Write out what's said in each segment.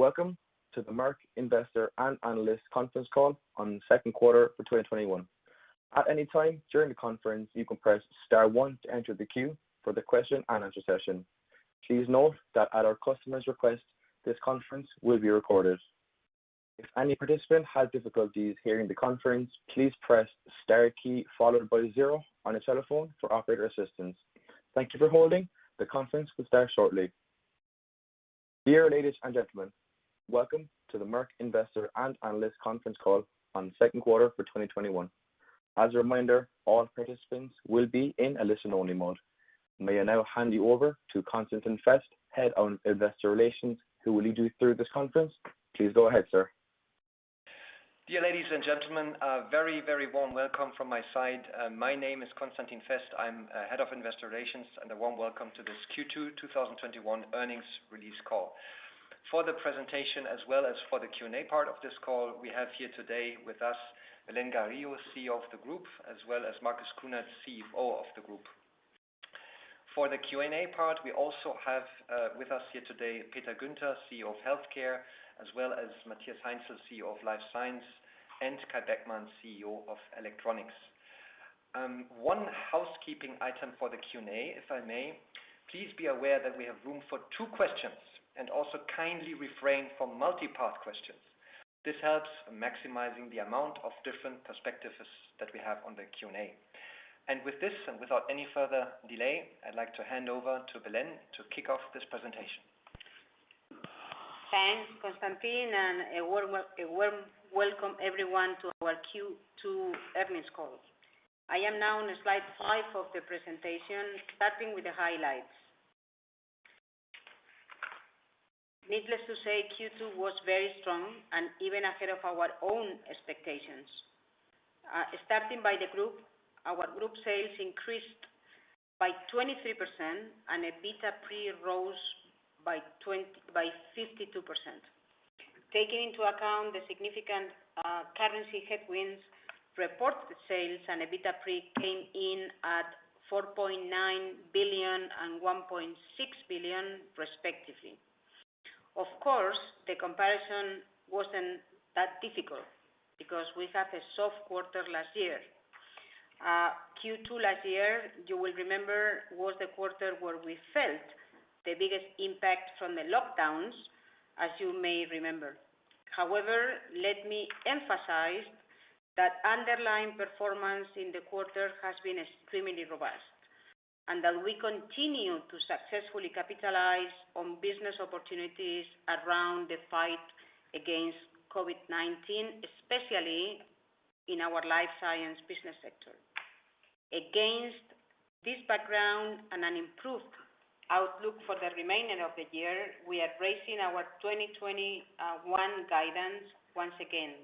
Welcome to the Merck Investor and Analyst Conference Call on the second quarter for 2021. Dear ladies and gentlemen, welcome to the Merck Investor and Analyst Conference Call on the second quarter for 2021. May I now hand you over to Constantin Fest, Head of Investor Relations, who will lead you through this conference. Please go ahead, sir. Dear ladies and gentlemen, a very, very warm welcome from my side. My name is Constantin Fest. I'm Head of Investor Relations, and a warm welcome to this Q2 2021 earnings release call. For the presentation as well as for the Q&A part of this call, we have here today with us Belén Garijo, CEO of the group, as well as Marcus Kuhnert, CFO of the group. For the Q&A part, we also have with us here today Peter Guenter, CEO of Healthcare, as well as Matthias Heinzel, CEO of Life Science, and Kai Beckmann, CEO of Electronics. One housekeeping item for the Q&A, if I may. Please be aware that we have room for two questions, and also kindly refrain from multi-part questions. This helps maximizing the amount of different perspectives that we have on the Q&A. With this, and without any further delay, I'd like to hand over to Belén to kick off this presentation. Thanks, Constantin. A warm welcome everyone to our Q2 earnings call. I am now on slide five of the presentation, starting with the highlights. Needless to say, Q2 was very strong and even ahead of our own expectations. Starting by the group, our group sales increased by 23%, and EBITDA pre rose by 52%. Taking into account the significant currency headwinds, reported sales and EBITDA pre came in at 4.9 billion and 1.6 billion, respectively. Of course, the comparison wasn't that difficult because we had a soft quarter last year. Q2 last year, you will remember, was the quarter where we felt the biggest impact from the lockdowns, as you may remember. However, let me emphasize that underlying performance in the quarter has been extremely robust, and that we continue to successfully capitalize on business opportunities around the fight against COVID-19, especially in our Life Science business sector. Against this background and an improved outlook for the remainder of the year, we are raising our 2021 guidance once again.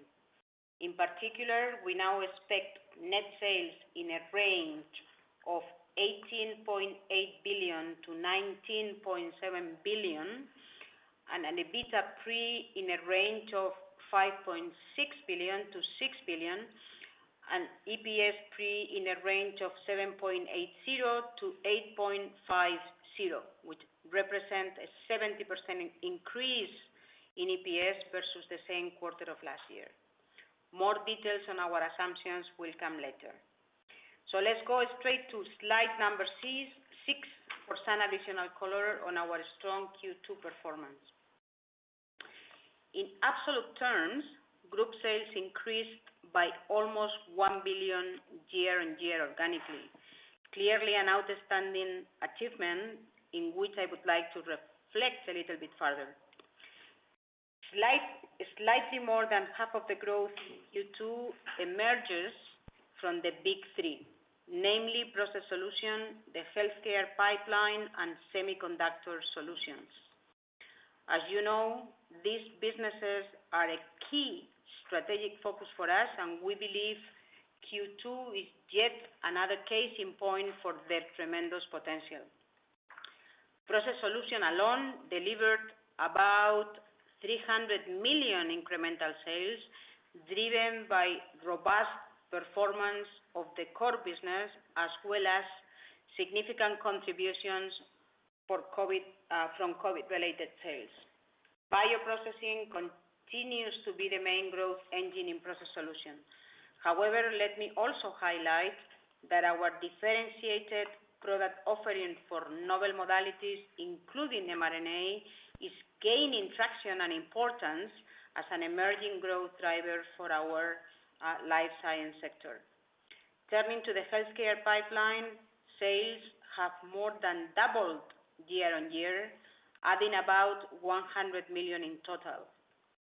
In particular, we now expect net sales in a range of 18.8 billion-19.7 billion and an EBITDA pre in a range of 5.6 billion-6 billion and EPS pre in a range of 7.80-8.50, which represent a 70% increase in EPS versus the same quarter of last year. More details on our assumptions will come later. Let's go straight to slide number six for some additional color on our strong Q2 performance. In absolute terms, group sales increased by almost 1 billion year-on-year organically. Clearly an outstanding achievement in which I would like to reflect a little bit further. Slightly more than half of the growth in Q2 emerges from the big three, namely Process Solutions, the Healthcare Pipeline, and Semiconductor Solutions. As you know, these businesses are a key strategic focus for us, and we believe Q2 is yet another case in point for their tremendous potential. Process Solutions alone delivered about 300 million incremental sales, driven by robust performance of the core business, as well as significant contributions from COVID-related sales. Bioprocessing continues to be the main growth engine in Process Solutions. However, let me also highlight that our differentiated product offering for novel modalities, including mRNA, is gaining traction and importance as an emerging growth driver for our Life Science sector. Turning to the Healthcare pipeline, sales have more than doubled year-on-year, adding about 100 million in total.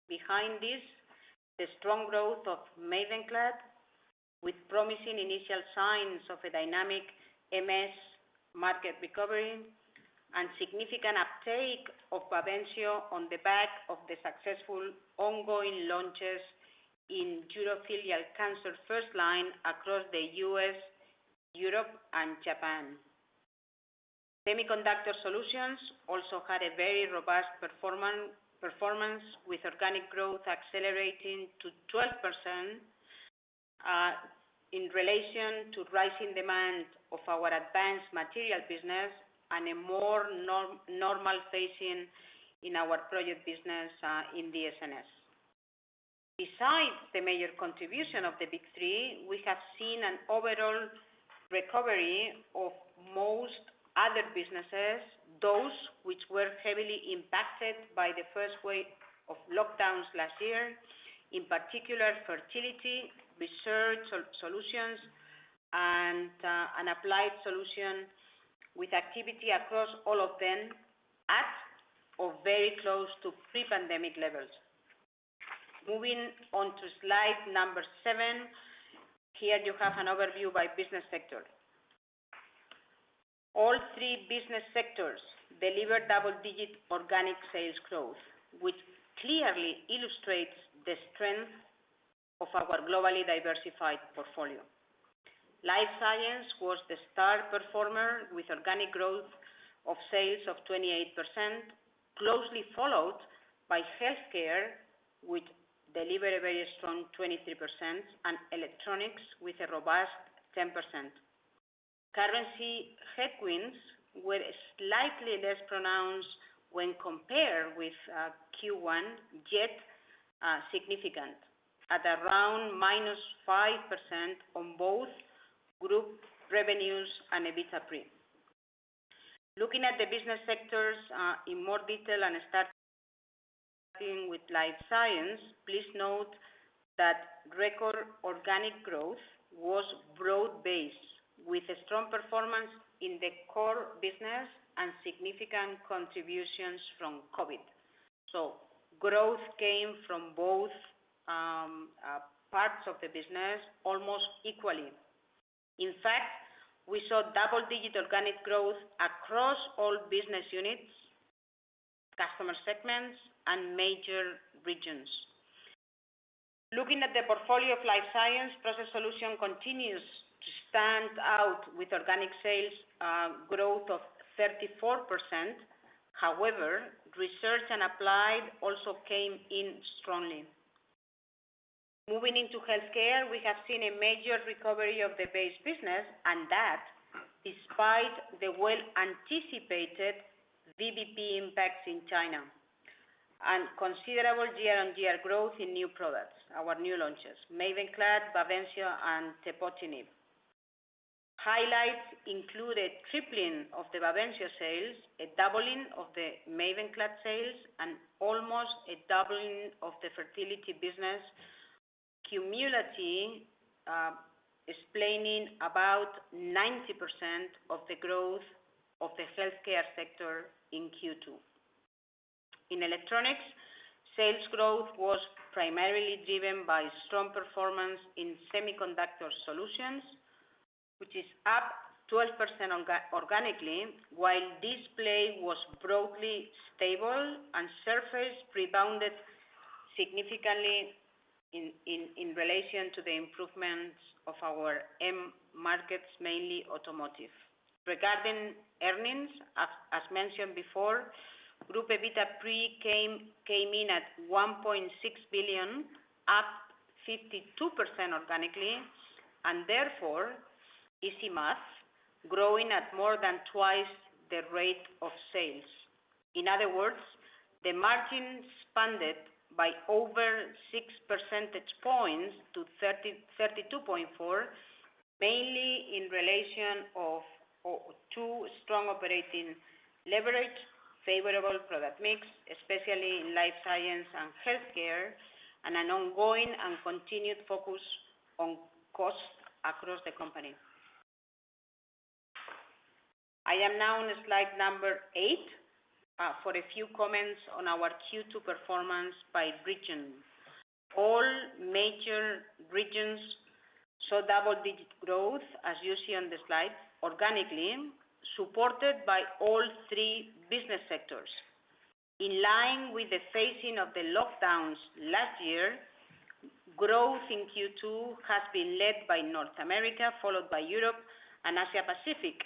Behind this, the strong growth of MAVENCLAD, with promising initial signs of a dynamic MS market recovery and significant uptake of BAVENCIO on the back of the successful ongoing launches in urothelial cancer first line across the U.S., Europe, and Japan. Semiconductor Solutions also had a very robust performance, with organic growth accelerating to 12%. In relation to rising demand of our advanced material business and a more normal phasing in our project business in DS&S. Besides the major contribution of the big three, we have seen an overall recovery of most other businesses, those which were heavily impacted by the first wave of lockdowns last year, in particular, fertility, Research Solutions, and Applied Solutions, with activity across all of them at or very close to pre-pandemic levels. Moving on to slide number seven. Here you have an overview by business sector. All three business sectors delivered double-digit organic sales growth, which clearly illustrates the strength of our globally diversified portfolio. Life Science was the star performer, with organic growth of sales of 28%, closely followed by Healthcare, which delivered a very strong 23%, and Electronics with a robust 10%. Currency headwinds were slightly less pronounced when compared with Q1, yet significant, at around -5% on both group revenues and EBITDA pre. Looking at the business sectors in more detail and starting with Life Science, please note that record organic growth was broad-based, with a strong performance in the core business and significant contributions from COVID. Growth came from both parts of the business almost equally. In fact, we saw double-digit organic growth across all business units, customer segments, and major regions. Looking at the portfolio of Life Science, Process Solutions continues to stand out with organic sales growth of 34%. Research and Applied also came in strongly. Moving into Healthcare, we have seen a major recovery of the base business, and that despite the well-anticipated VBP impacts in China and considerable year-on-year growth in new products, our new launches, MAVENCLAD, BAVENCIO, and tepotinib. Highlights included tripling of the BAVENCIO sales, a doubling of the MAVENCLAD sales, and almost a doubling of the fertility business, cumulatively explaining about 90% of the growth of the Healthcare sector in Q2. In Electronics, sales growth was primarily driven by strong performance in Semiconductor Solutions, which is up 12% organically, while Display was broadly stable and Surface rebounded significantly in relation to the improvements of our end markets, mainly automotive. Regarding earnings, as mentioned before, group EBITDA pre came in at 1.6 billion, up 52% organically, and therefore, Merck KGaA, growing at more than twice the rate of sales. In other words, the margin expanded by over 6 percentage points to 32.4%, mainly in relation to two strong operating leverage, favorable product mix, especially in Life Science and Healthcare, and an ongoing and continued focus on cost across the company. I am now on slide number eight for a few comments on our Q2 performance by region. All major regions saw double-digit growth, as you see on the slide, organically, supported by all three business sectors. In line with the phasing of the lockdowns last year, growth in Q2 has been led by North America, followed by Europe and Asia Pacific,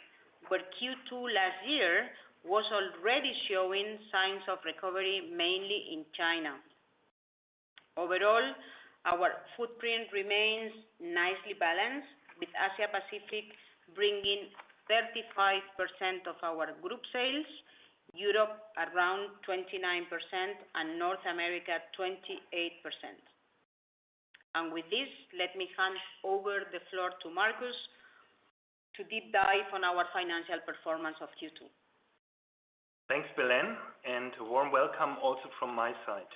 where Q2 last year was already showing signs of recovery, mainly in China. Overall, our footprint remains nicely balanced, with Asia Pacific bringing 35% of our group sales, Europe around 29%, and North America 28%. With this, let me hand over the floor to Marcus to deep dive on our financial performance of Q2. Thanks, Belén, and a warm welcome also from my side.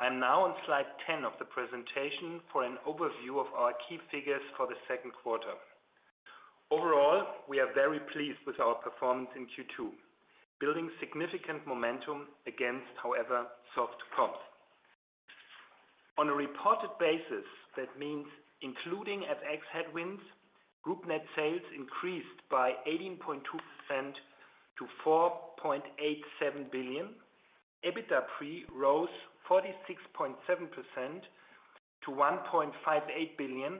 I'm now on slide 10 of the presentation for an overview of our key figures for the second quarter. Overall, we are very pleased with our performance in Q2, building significant momentum against, however, soft comps. On a reported basis, that means including FX headwinds, group net sales increased by 18.2% to 4.87 billion. EBITDA pre rose 46.7% to 1.58 billion,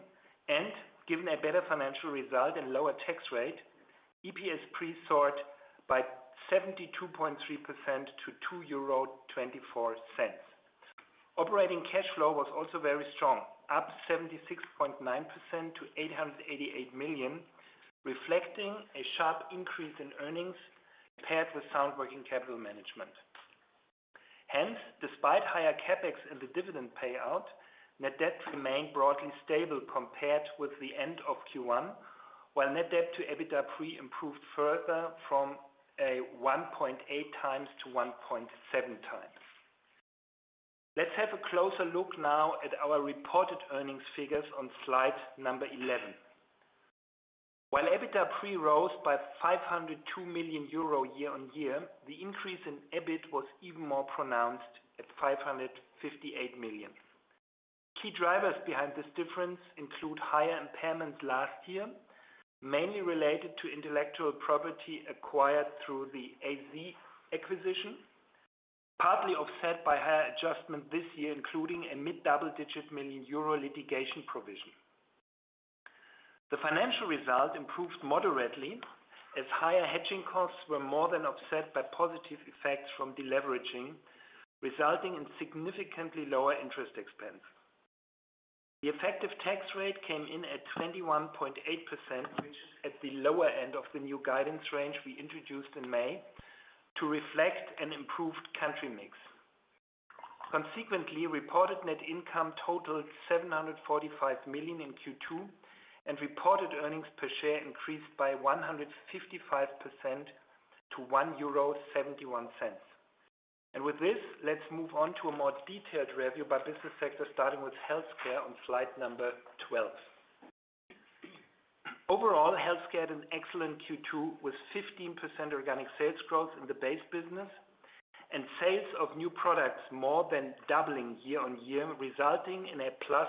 given a better financial result and lower tax rate, EPS pre soared by 72.3% to 2.24 euro. Operating cash flow was also very strong, up 76.9% to 888 million, reflecting a sharp increase in earnings paired with sound working capital management. Hence, despite higher CapEx and the dividend payout, net debt remained broadly stable compared with the end of Q1, while net debt to EBITDA pre improved further from a 1.8x to 1.7x. Let's have a closer look now at our reported earnings figures on slide number 11. While EBITDA pre rose by 502 million euro year-on-year, the increase in EBIT was even more pronounced at 558 million. Key drivers behind this difference include higher impairments last year, mainly related to intellectual property acquired through the AZ acquisition, partly offset by higher adjustment this year, including a mid-double-digit million Euro litigation provision. The financial result improved moderately as higher hedging costs were more than offset by positive effects from deleveraging, resulting in significantly lower interest expense. The effective tax rate came in at 21.8%, which is at the lower end of the new guidance range we introduced in May to reflect an improved country mix. Consequently, reported net income totaled 745 million in Q2, and reported earnings per share increased by 155% to EUR 1.71. With this, let's move on to a more detailed review by business sector, starting with Healthcare on slide 12. Overall, Healthcare had an excellent Q2 with 15% organic sales growth in the base business and sales of new products more than doubling year-on-year, resulting in a plus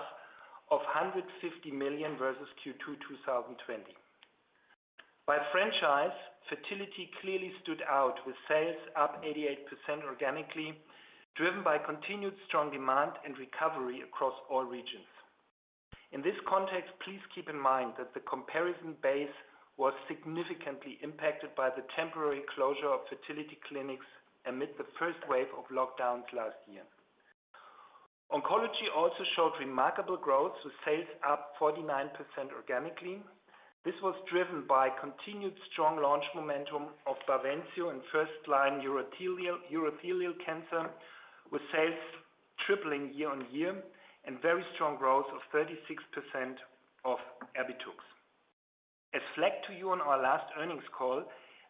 of 150 million versus Q2 2020. By franchise, fertility clearly stood out with sales up 88% organically, driven by continued strong demand and recovery across all regions. In this context, please keep in mind that the comparison base was significantly impacted by the temporary closure of fertility clinics amid the first wave of lockdowns last year. Oncology also showed remarkable growth, with sales up 49% organically. This was driven by continued strong launch momentum of BAVENCIO in first-line urothelial cancer, with sales tripling year-on-year and very strong growth of 36% of Erbitux. As flagged to you on our last earnings call,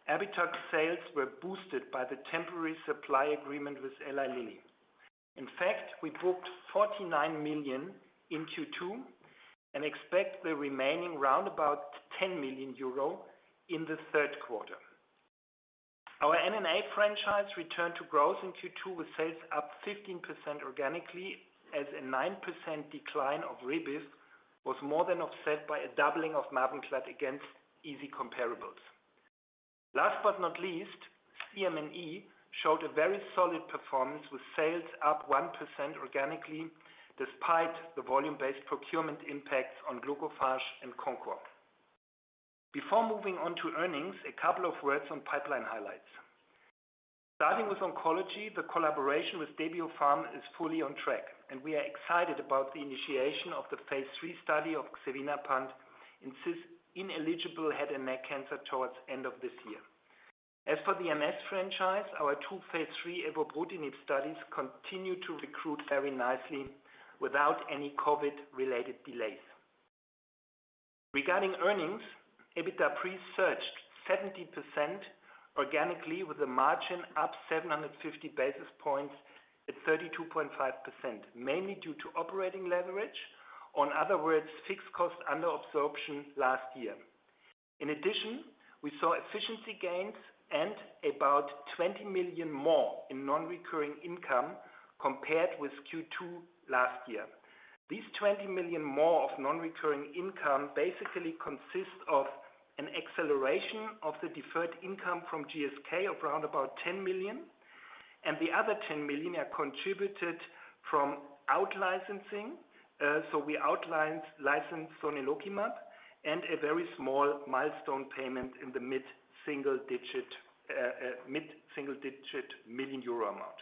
Erbitux sales were boosted by the temporary supply agreement with Eli Lilly. In fact, we booked 49 million in Q2 and expect the remaining round about 10 million euro in the third quarter. Our MS franchise returned to growth in Q2 with sales up 15% organically as a 9% decline of Rebif was more than offset by a doubling of MAVENCLAD against easy comparables. Last but not least, GM&E showed a very solid performance with sales up 1% organically despite the volume-based procurement impacts on Glucophage and Concor. Before moving on to earnings, a couple of words on pipeline highlights. Starting with oncology, the collaboration with Debiopharm is fully on track. We are excited about the initiation of the phase III study of xevinapant in ineligible head and neck cancer towards end of this year. As for the MS franchise, our two phase III evobrutinib studies continue to recruit very nicely without any COVID-related delays. Regarding earnings, EBITDA pre surged 70% organically, with the margin up 750 basis points at 32.5%, mainly due to operating leverage, or in other words, fixed cost under absorption last year. We saw efficiency gains and about 20 million more in non-recurring income compared with Q2 last year. These 20 million more of non-recurring income basically consist of an acceleration of the deferred income from GSK of around about 10 million, and the other 10 million are contributed from out licensing. We out-licensed sonelokimab and a very small milestone payment in the mid-single-digit million euro amount.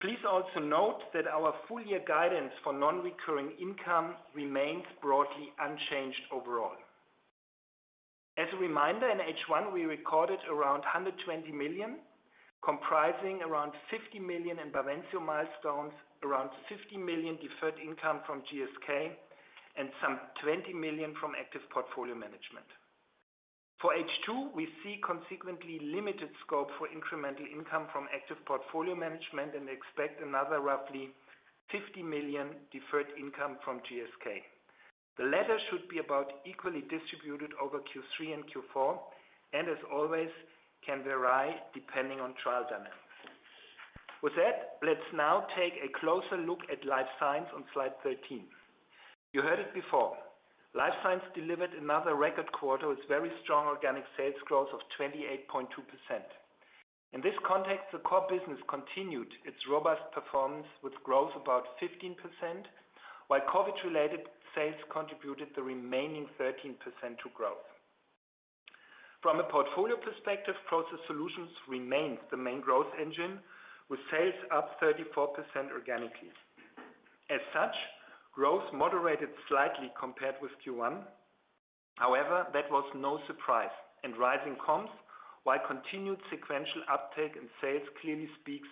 Please also note that our full year guidance for non-recurring income remains broadly unchanged overall. As a reminder, in H1, we recorded around 120 million, comprising around 50 million in BAVENCIO milestones, around 50 million deferred income from GSK, and some 20 million from active portfolio management. For H2, we see consequently limited scope for incremental income from active portfolio management and expect another roughly 50 million deferred income from GSK. The latter should be about equally distributed over Q3 and Q4 and as always, can vary depending on trial dynamics. With that, let's now take a closer look at Life Science on slide 13. You heard it before. Life Science delivered another record quarter with very strong organic sales growth of 28.2%. In this context, the core business continued its robust performance with growth about 15%, while COVID-related sales contributed the remaining 13% to growth. From a portfolio perspective, Process Solutions remains the main growth engine, with sales up 34% organically. As such, growth moderated slightly compared with Q1. That was no surprise. Rising comps, while continued sequential uptake in sales, clearly speaks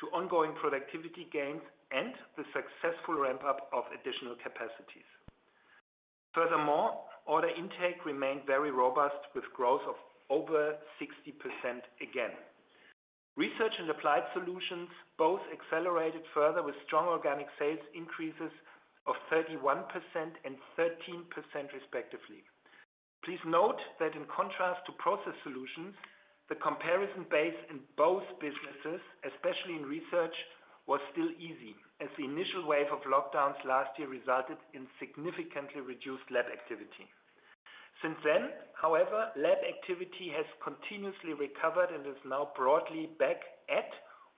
to ongoing productivity gains and the successful ramp-up of additional capacities. Furthermore, order intake remained very robust, with growth of over 60% again. Research and Applied Solutions both accelerated further with strong organic sales increases of 31% and 13%, respectively. Please note that in contrast to Process Solutions, the comparison base in both businesses, especially in Research, was still easy, as the initial wave of lockdowns last year resulted in significantly reduced lab activity. Since then, however, lab activity has continuously recovered and is now broadly back at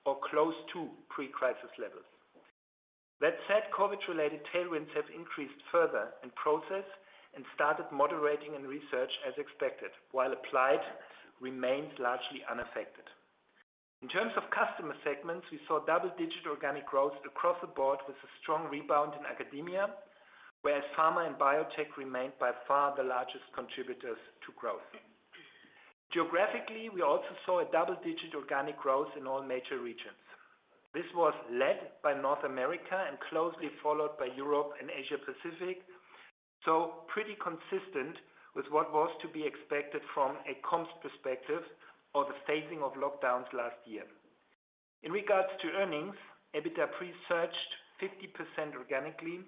or close to pre-crisis levels. That said, COVID-related tailwinds have increased further in Process and started moderating in Research as expected, while Applied remains largely unaffected. In terms of customer segments, we saw double-digit organic growth across the board with a strong rebound in academia, whereas pharma and biotech remained by far the largest contributors to growth. Geographically, we also saw a double-digit organic growth in all major regions. This was led by North America and closely followed by Europe and Asia-Pacific, so pretty consistent with what was to be expected from a comps perspective or the phasing of lockdowns last year. In regards to earnings, EBITDA pre-surged 50% organically,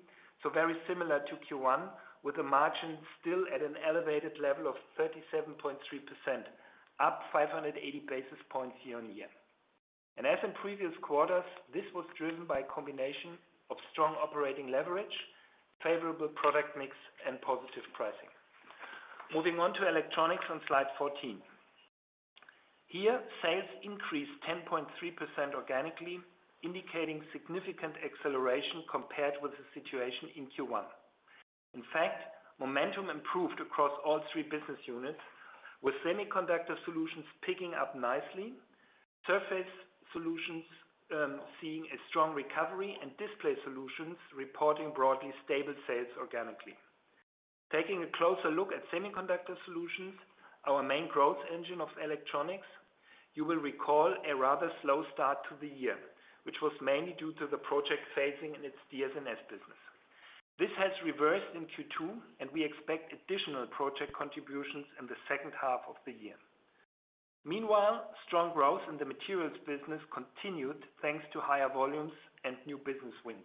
so very similar to Q1, with the margin still at an elevated level of 37.3%, up 580 basis points year-on-year. As in previous quarters, this was driven by a combination of strong operating leverage, favorable product mix, and positive pricing. Moving on to Electronics on slide 14. Here, sales increased 10.3% organically, indicating significant acceleration compared with the situation in Q1 In fact, momentum improved across all three business units, with Semiconductor Solutions picking up nicely, Surface Solutions seeing a strong recovery, and Display Solutions reporting broadly stable sales organically. Taking a closer look at Semiconductor Solutions, our main growth engine of Electronics, you will recall a rather slow start to the year, which was mainly due to the project phasing in its DS&S business. This has reversed in Q2, and we expect additional project contributions in the second half of the year. Meanwhile, strong growth in the materials business continued thanks to higher volumes and new business wins.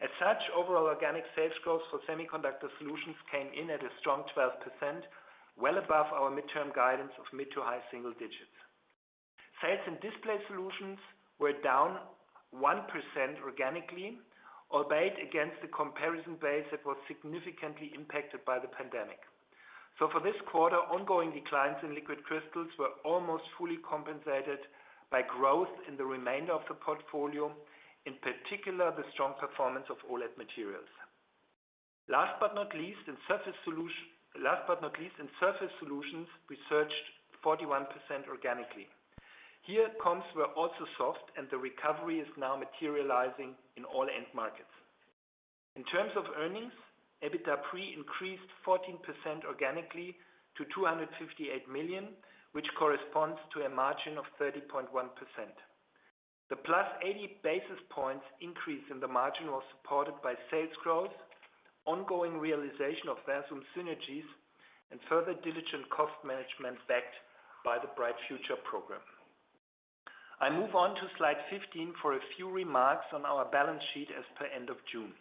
As such, overall organic sales growth for Semiconductor Solutions came in at a strong 12%, well above our midterm guidance of mid- to high-single digits. Sales and Display Solutions were down 1% organically, albeit against the comparison base that was significantly impacted by the pandemic. For this quarter, ongoing declines in liquid crystals were almost fully compensated by growth in the remainder of the portfolio, in particular, the strong performance of OLED materials. Last but not least, in Surface Solutions, we surged 41% organically. Here, comps were also soft, and the recovery is now materializing in all end markets. In terms of earnings, EBITDA pre increased 14% organically to 258 million, which corresponds to a margin of 30.1%. The +80 basis points increase in the margin was supported by sales growth, ongoing realization of Versum synergies, and further diligent cost management backed by the Bright Future program. I move on to slide 15 for a few remarks on our balance sheet as per end of June.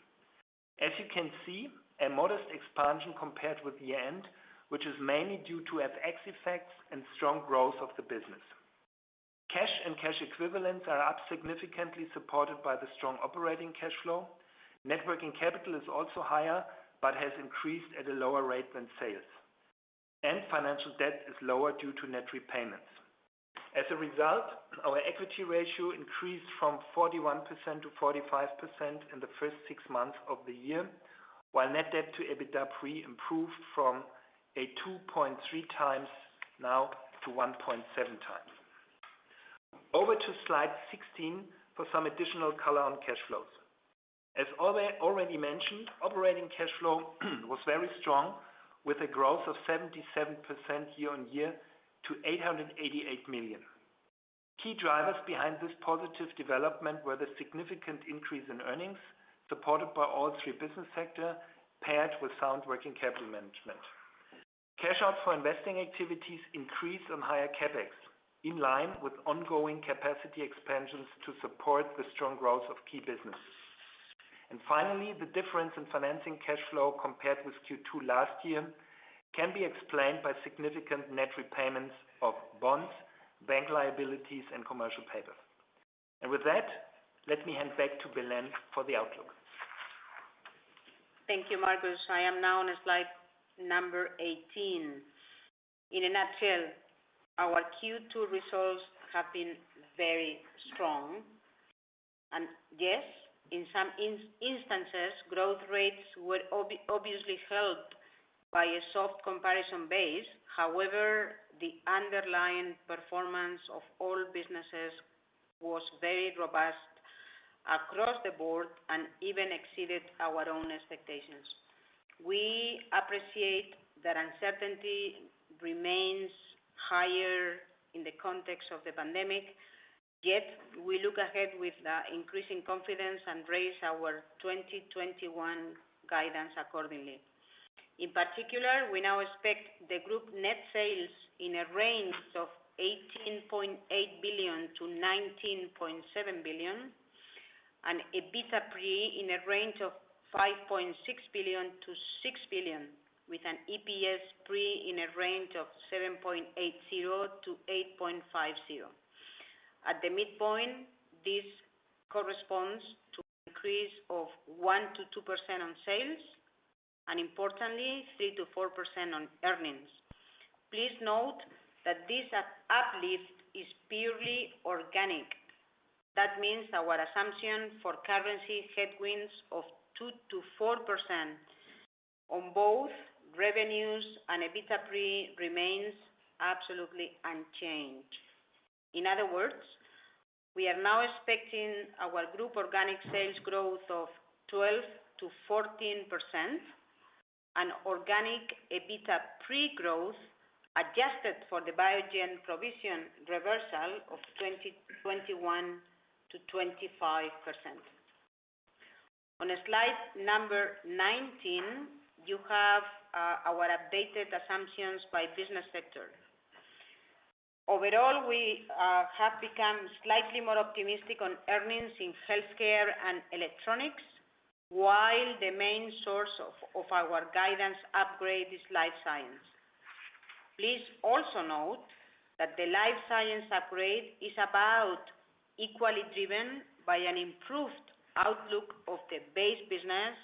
As you can see, a modest expansion compared with year-end, which is mainly due to FX effects and strong growth of the business. Cash and cash equivalents are up significantly supported by the strong operating cash flow. Networking capital is also higher but has increased at a lower rate than sales. Financial debt is lower due to net repayments. As a result, our equity ratio increased from 41% to 45% in the first six months of the year, while net debt to EBITDA pre improved from a 2.3x now to 1.7x Over to slide 16 for some additional color on cash flows. As already mentioned, operating cash flow was very strong, with a growth of 77% year-over-year to 888 million. Key drivers behind this positive development were the significant increase in earnings, supported by all three business sectors, paired with sound working capital management. Cash outs for investing activities increased on higher CapEx, in line with ongoing capacity expansions to support the strong growth of key businesses. Finally, the difference in financing cash flow compared with Q2 last year can be explained by significant net repayments of bonds, bank liabilities, and commercial paper. With that, let me hand back to Belén for the outlook. Thank you, Marcus. I am now on slide number 18. In a nutshell, our Q2 results have been very strong. Yes, in some instances, growth rates were obviously helped by a soft comparison base. However, the underlying performance of all businesses was very robust across the board and even exceeded our own expectations. We appreciate that uncertainty remains higher in the context of the pandemic, yet we look ahead with increasing confidence and raise our 2021 guidance accordingly. In particular, we now expect the group net sales in a range of 18.8 billion-19.7 billion and EBITDA pre in a range of 5.6 billion-6 billion with an EPS pre in a range of 7.80-8.50. At the midpoint, this corresponds to an increase of 1%-2% on sales, and importantly, 3%-4% on earnings. Please note that this uplift is purely organic. That means our assumption for currency headwinds of 2%-4% on both revenues and EBITDA pre remains absolutely unchanged. In other words, we are now expecting our group organic sales growth of 12%-14%, and organic EBITDA pre growth adjusted for the Biogen provision reversal of 21%-25%. On slide number 19, you have our updated assumptions by business sector. Overall, we have become slightly more optimistic on earnings in Healthcare and Electronics, while the main source of our guidance upgrade is Life Science. Please also note that the Life Science upgrade is about equally driven by an improved outlook of the base business,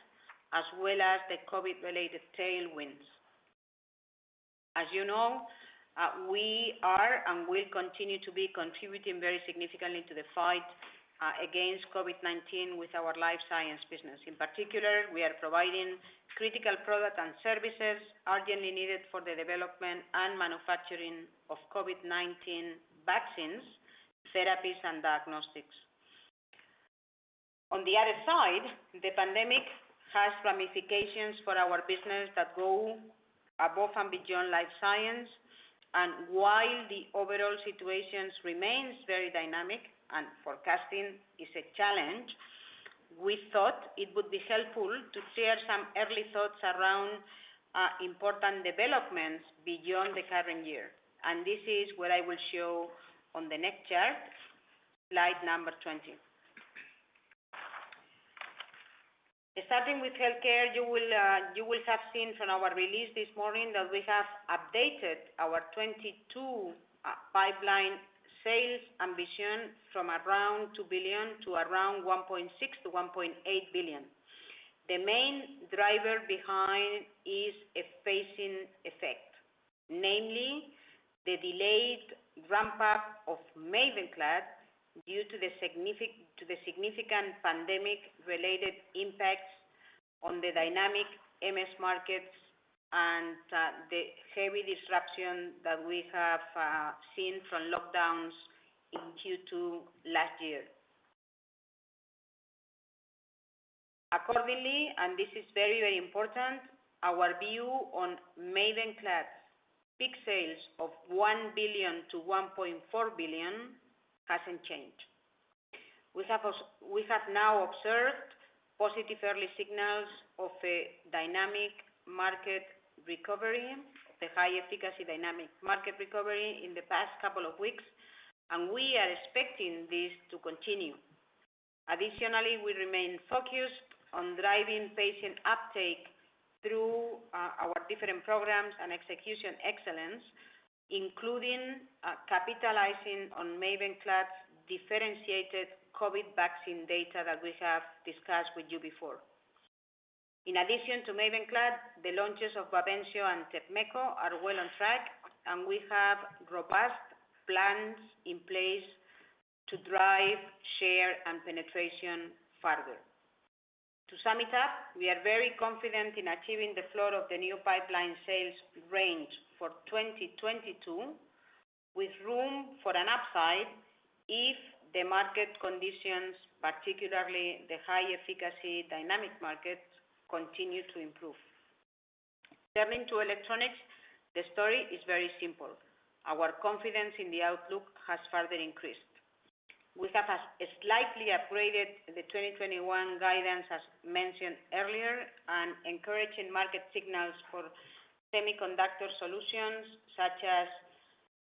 as well as the COVID-related tailwinds. As you know, we are and will continue to be contributing very significantly to the fight against COVID-19 with our Life Science business. In particular, we are providing critical products and services urgently needed for the development and manufacturing of COVID-19 vaccines, therapies, and diagnostics. On the other side, the pandemic has ramifications for our business that go above and beyond Life Science. While the overall situation remains very dynamic and forecasting is a challenge, we thought it would be helpful to share some early thoughts around important developments beyond the current year. This is what I will show on the next chart, slide number 20. Starting with Healthcare, you will have seen from our release this morning that we have updated our 2022 pipeline sales ambition from around 2 billion to around 1.6 billion-1.8 billion. The main driver behind is a phasing effect, namely the delayed ramp-up of MAVENCLAD due to the significant pandemic-related impacts on the dynamic MS markets and the heavy disruption that we have seen from lockdowns in Q2 last year. Accordingly, and this is very important, our view on MAVENCLAD peak sales of 1 billion-1.4 billion hasn't changed. We have now observed positive early signals of the high efficacy dynamic market recovery in the past couple of weeks, and we are expecting this to continue. Additionally, we remain focused on driving patient uptake through our different programs and execution excellence, including capitalizing on MAVENCLAD's differentiated COVID vaccine data that we have discussed with you before. In addition to MAVENCLAD, the launches of BAVENCIO and TEPMETKO are well on track. We have robust plans in place to drive share and penetration further. To sum it up, we are very confident in achieving the floor of the new pipeline sales range for 2022, with room for an upside if the market conditions, particularly the high efficacy dynamic market, continue to improve. Turning to Electronics, the story is very simple. Our confidence in the outlook has further increased. We have slightly upgraded the 2021 guidance, as mentioned earlier, and encouraging market signals for Semiconductor Solutions, such as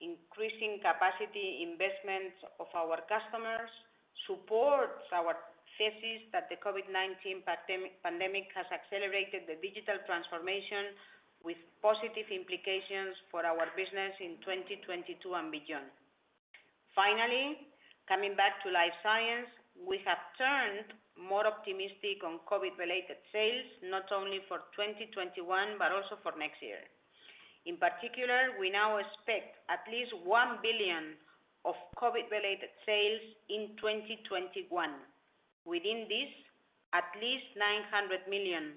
increasing capacity investments of our customers, supports our thesis that the COVID-19 pandemic has accelerated the digital transformation with positive implications for our business in 2022 and beyond. Finally, coming back to Life Science, we have turned more optimistic on COVID-related sales, not only for 2021, but also for next year. In particular, we now expect at least 1 billion of COVID-related sales in 2021. Within this, at least 900 million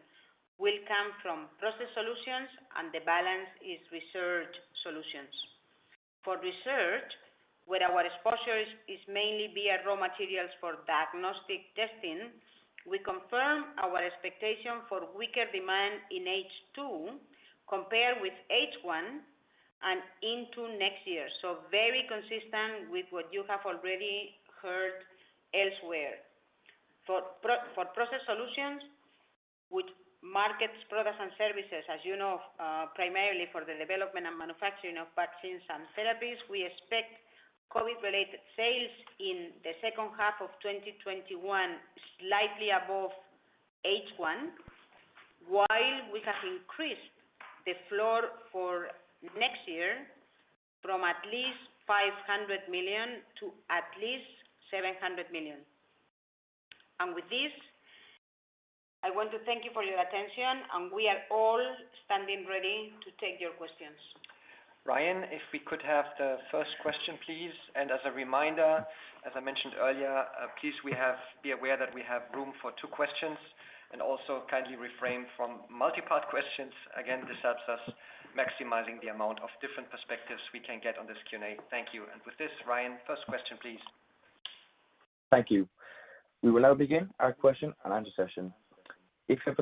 will come from Process Solutions, and the balance is Research Solutions. For Research, where our exposure is mainly via raw materials for diagnostic testing, we confirm our expectation for weaker demand in H2 compared with H1 and into next year. Very consistent with what you have already heard elsewhere. For Process Solutions, which markets products and services, as you know, primarily for the development and manufacturing of vaccines and therapies, we expect COVID-related sales in the second half of 2021, slightly above H1, while we have increased the floor for next year from at least 500 million to at least 700 million. With this, I want to thank you for your attention, and we are all standing ready to take your questions. Ryan, if we could have the first question, please. As a reminder, as I mentioned earlier, please be aware that we have room for two questions, and also kindly refrain from multi-part questions. Again, this helps us maximizing the amount of different perspectives we can get on this Q&A. Thank you. With this, Ryan, first question, please. Thank you. Our first question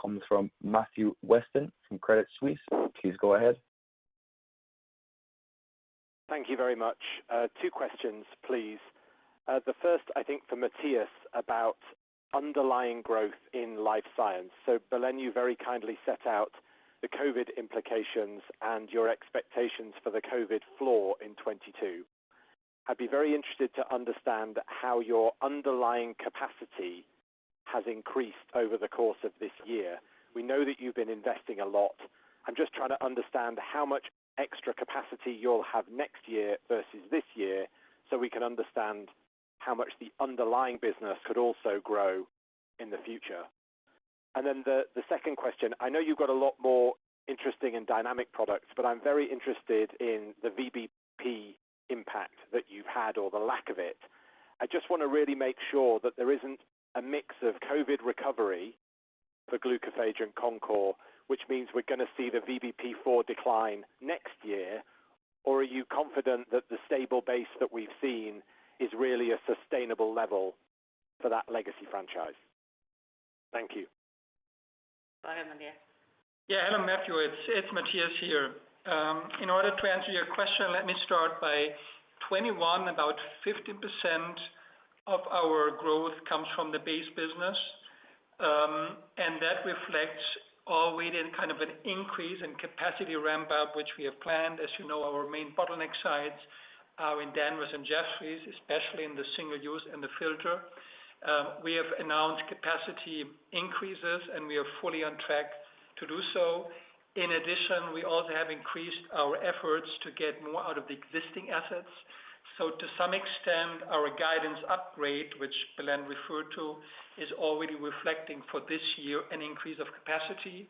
comes from Matthew Weston from Credit Suisse. Please go ahead. Thank you very much. Two questions, please. The first, I think for Matthias, about underlying growth in Life Science. Belén, you very kindly set out the COVID implications and your expectations for the COVID floor in 2022. I'd be very interested to understand how your underlying capacity has increased over the course of this year. We know that you've been investing a lot. I'm just trying to understand how much extra capacity you'll have next year versus this year, so we can understand how much the underlying business could also grow in the future. The second question. I know you've got a lot more interesting and dynamic products, but I'm very interested in the VBP impact that you've had or the lack of it. I just want to really make sure that there isn't a mix of COVID recovery for Glucophage and Concor, which means we're going to see the VBP IV decline next year. Are you confident that the stable base that we've seen is really a sustainable level for that legacy franchise? Thank you. Go ahead, Matthias. Hello, Matthew, it's Matthias here. In order to answer your question, let me start by 2021, about 50% of our growth comes from the base business. That reflects already an increase in capacity ramp-up, which we have planned. As you know, our main bottleneck sites are in Danvers and Jaffrey, especially in the single-use and the filter. We have announced capacity increases, and we are fully on track to do so. In addition, we also have increased our efforts to get more out of the existing assets. To some extent, our guidance upgrade, which Belén referred to, is already reflecting for this year an increase of capacity,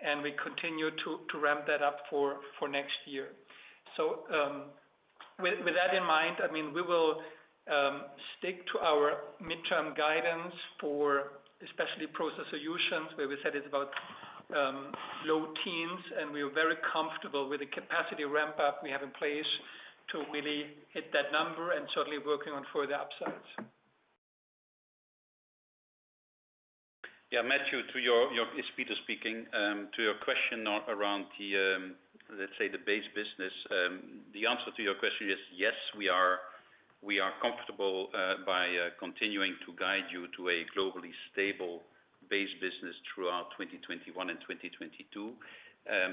and we continue to ramp that up for next year. With that in mind, we will stick to our midterm guidance for especially Process Solutions, where we said it's about low teens, and we are very comfortable with the capacity ramp-up we have in place to really hit that number and certainly working on further upsides. Yeah, Matthew, it's Peter speaking. To your question around, let's say, the base business. The answer to your question is yes, we are comfortable by continuing to guide you to a globally stable base business throughout 2021 and 2022.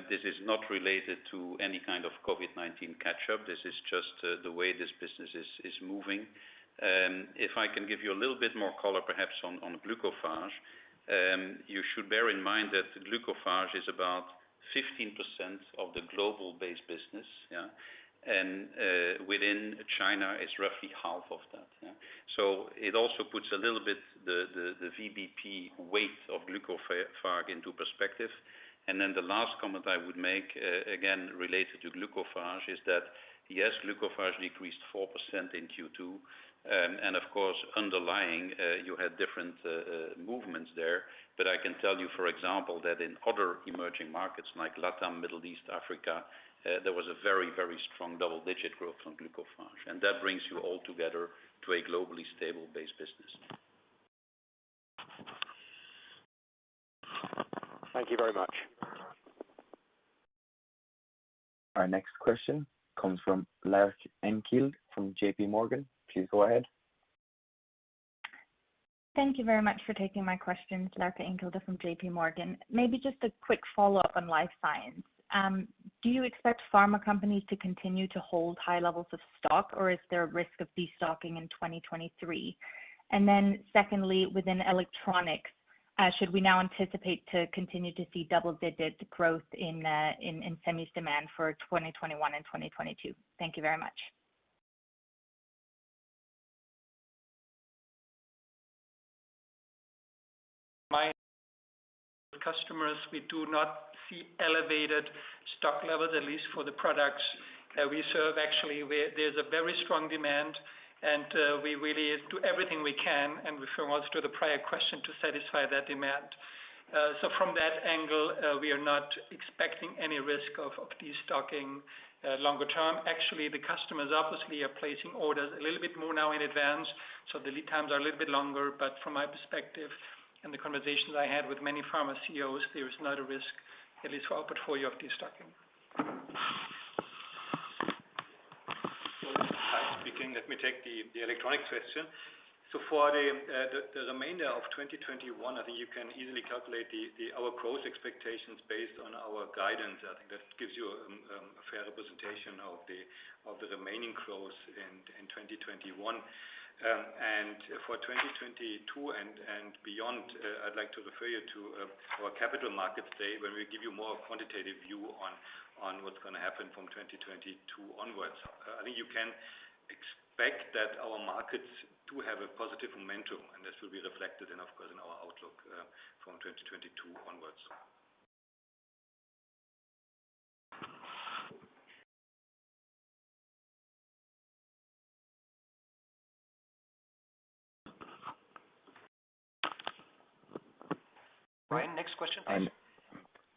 This is not related to any kind of COVID-19 catch-up. This is just the way this business is moving. If I can give you a little bit more color, perhaps on Glucophage. You should bear in mind that Glucophage is about 15% of the global base business. Yeah. Within China, it's roughly half of that. Yeah. It also puts a little bit the VBP weight of Glucophage into perspective. The last comment I would make, again, related to Glucophage, is that, yes, Glucophage decreased 4% in Q2. Of course, underlying, you had different movements there. I can tell you, for example, that in other emerging markets like LATAM, Middle East, Africa, there was a very, very strong double-digit growth on Glucophage. That brings you all together to a global. Thank you very much. Our next question comes from Laerke Engkilde from JPMorgan. Please go ahead. Thank you very much for taking my question. It's Laerke Engkilde from JPMorgan. Maybe just a quick follow-up on Life Science. Do you expect pharma companies to continue to hold high levels of stock, or is there a risk of de-stocking in 2023? Secondly, within Electronics, should we now anticipate to continue to see double-digit growth in semis demand for 2021 and 2022? Thank you very much. My customers, we do not see elevated stock levels, at least for the products that we serve. There's a very strong demand, and we really do everything we can, and refer once to the prior question, to satisfy that demand. From that angle, we are not expecting any risk of de-stocking longer term. The customers obviously are placing orders a little bit more now in advance, the lead times are a little bit longer. From my perspective and the conversations I had with many pharma CEOs, there is not a risk, at least for our portfolio, of de-stocking. Kai speaking. Let me take the Electronics question. For the remainder of 2021, I think you can easily calculate our growth expectations based on our guidance. I think that gives you a fair representation of the remaining growth in 2021. For 2022 and beyond, I'd like to refer you to our Capital Markets Day, where we give you more of a quantitative view on what's going to happen from 2022 onwards. I think you can expect that our markets do have a positive momentum, and this will be reflected in, of course, in our outlook from 2022 onwards. Ryan. Next question, please.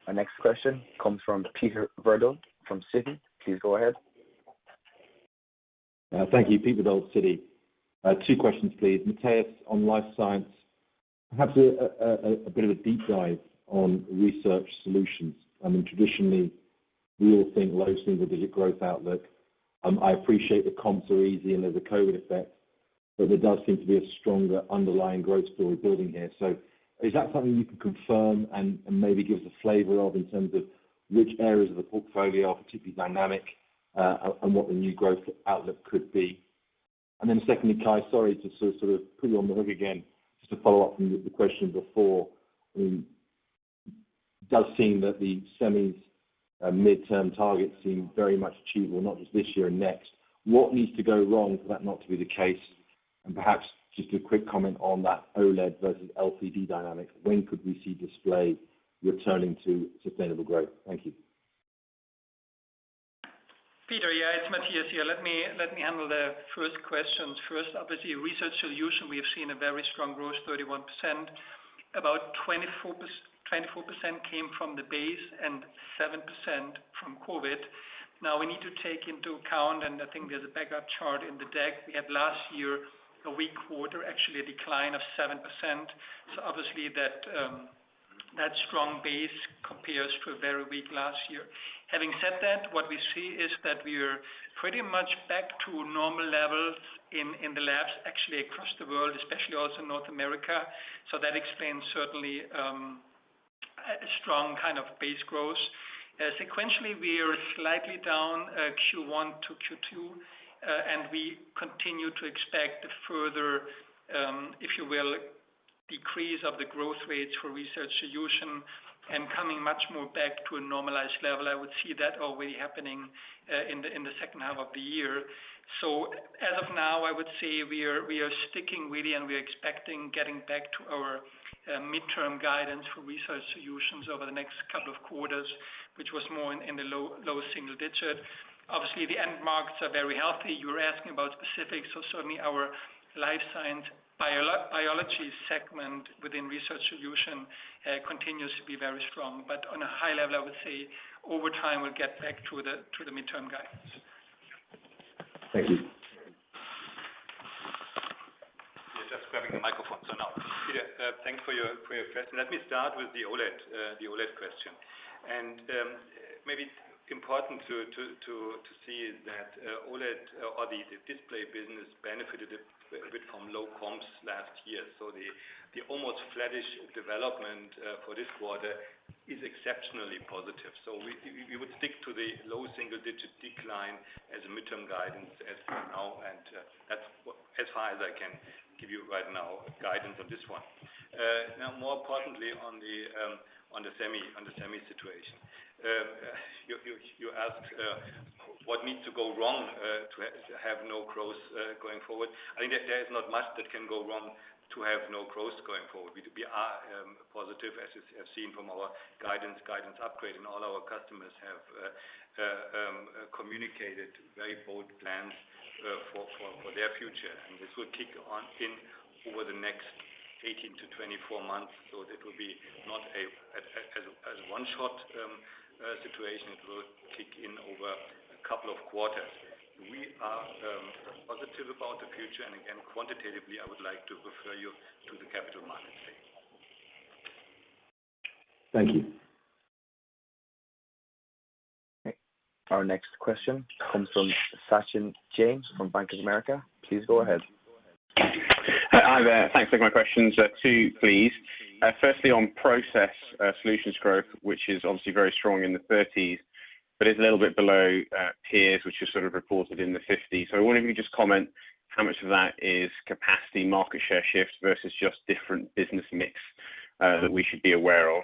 Our next question comes from Peter Verdult from Citi. Please go ahead. Thank you. Peter Verdult, Citi. Two questions, please. Matthias, on Life Science, perhaps a bit of a deep dive on Research Solutions. I mean, traditionally, we all think low single-digit growth outlook. I appreciate the comps are easy and there's a COVID effect, but there does seem to be a stronger underlying growth story building here. Is that something you can confirm and maybe give us a flavor of in terms of which areas of the portfolio are particularly dynamic and what the new growth outlook could be? Secondly, Kai, sorry to sort of put you on the hook again, just to follow up from the question before. It does seem that the semis midterm targets seem very much achievable, not just this year and next. What needs to go wrong for that not to be the case? Perhaps just a quick comment on that OLED versus LCD dynamic. When could we see Display returning to sustainable growth? Thank you. Peter, yeah, it's Matthias here. Let me handle the first questions first. Obviously, Research Solutions, we have seen a very strong growth, 31%. About 24% came from the base and 7% from COVID. Now we need to take into account, and I think there's a backup chart in the deck, we had last year a weak quarter, actually a decline of 7%. Obviously, that strong base compares to a very weak last year. Having said that, what we see is that we are pretty much back to normal levels in the labs, actually across the world, especially also North America. That explains certainly a strong kind of base growth. Sequentially, we are slightly down Q1 to Q2, and we continue to expect further, if you will, decrease of the growth rates for Research Solutions and coming much more back to a normalized level. I would see that already happening in the second half of the year. As of now, I would say we are sticking really, and we are expecting getting back to our midterm guidance for Research Solutions over the next couple of quarters, which was more in the low single-digit. Obviously, the end markets are very healthy. You were asking about specifics. Certainly, our Life Science biology segment within Research Solutions continues to be very strong. On a high level, I would say over time, we'll get back to the midterm guidance. Thank you. Yeah, just grabbing the microphone. Now, Peter, thanks for your question. Let me start with the OLED question. Maybe it's important to see that OLED or the display business benefited a bit from low comps last year. The almost flattish development for this quarter is exceptionally positive. We would stick to the low single-digit decline as a midterm guidance as for now, that's as far as I can give you right now, guidance on this one. Now, more importantly, on the Semi situation. You asked what needs to go wrong to have no growth going forward. I think that there is not much that can go wrong to have no growth going forward. We are positive, as you have seen from our guidance upgrade, all our customers have communicated very bold plans for their future. This will kick in over the next 18-24 months. That will be not as one shot situation, it will kick in over a couple of quarters. We are positive about the future. Again, quantitatively, I would like to refer you to the Capital Markets Day. Thank you. Okay. Our next question comes from Sachin Jain from Bank of America. Please go ahead. Hi there. Thanks for taking my questions. Two, please. Firstly, on Process Solutions growth, which is obviously very strong in the 30s, but is a little bit below peers, which is sort of reported in the 50s. I wonder if you just comment how much of that is capacity market share shifts versus just different business mix that we should be aware of.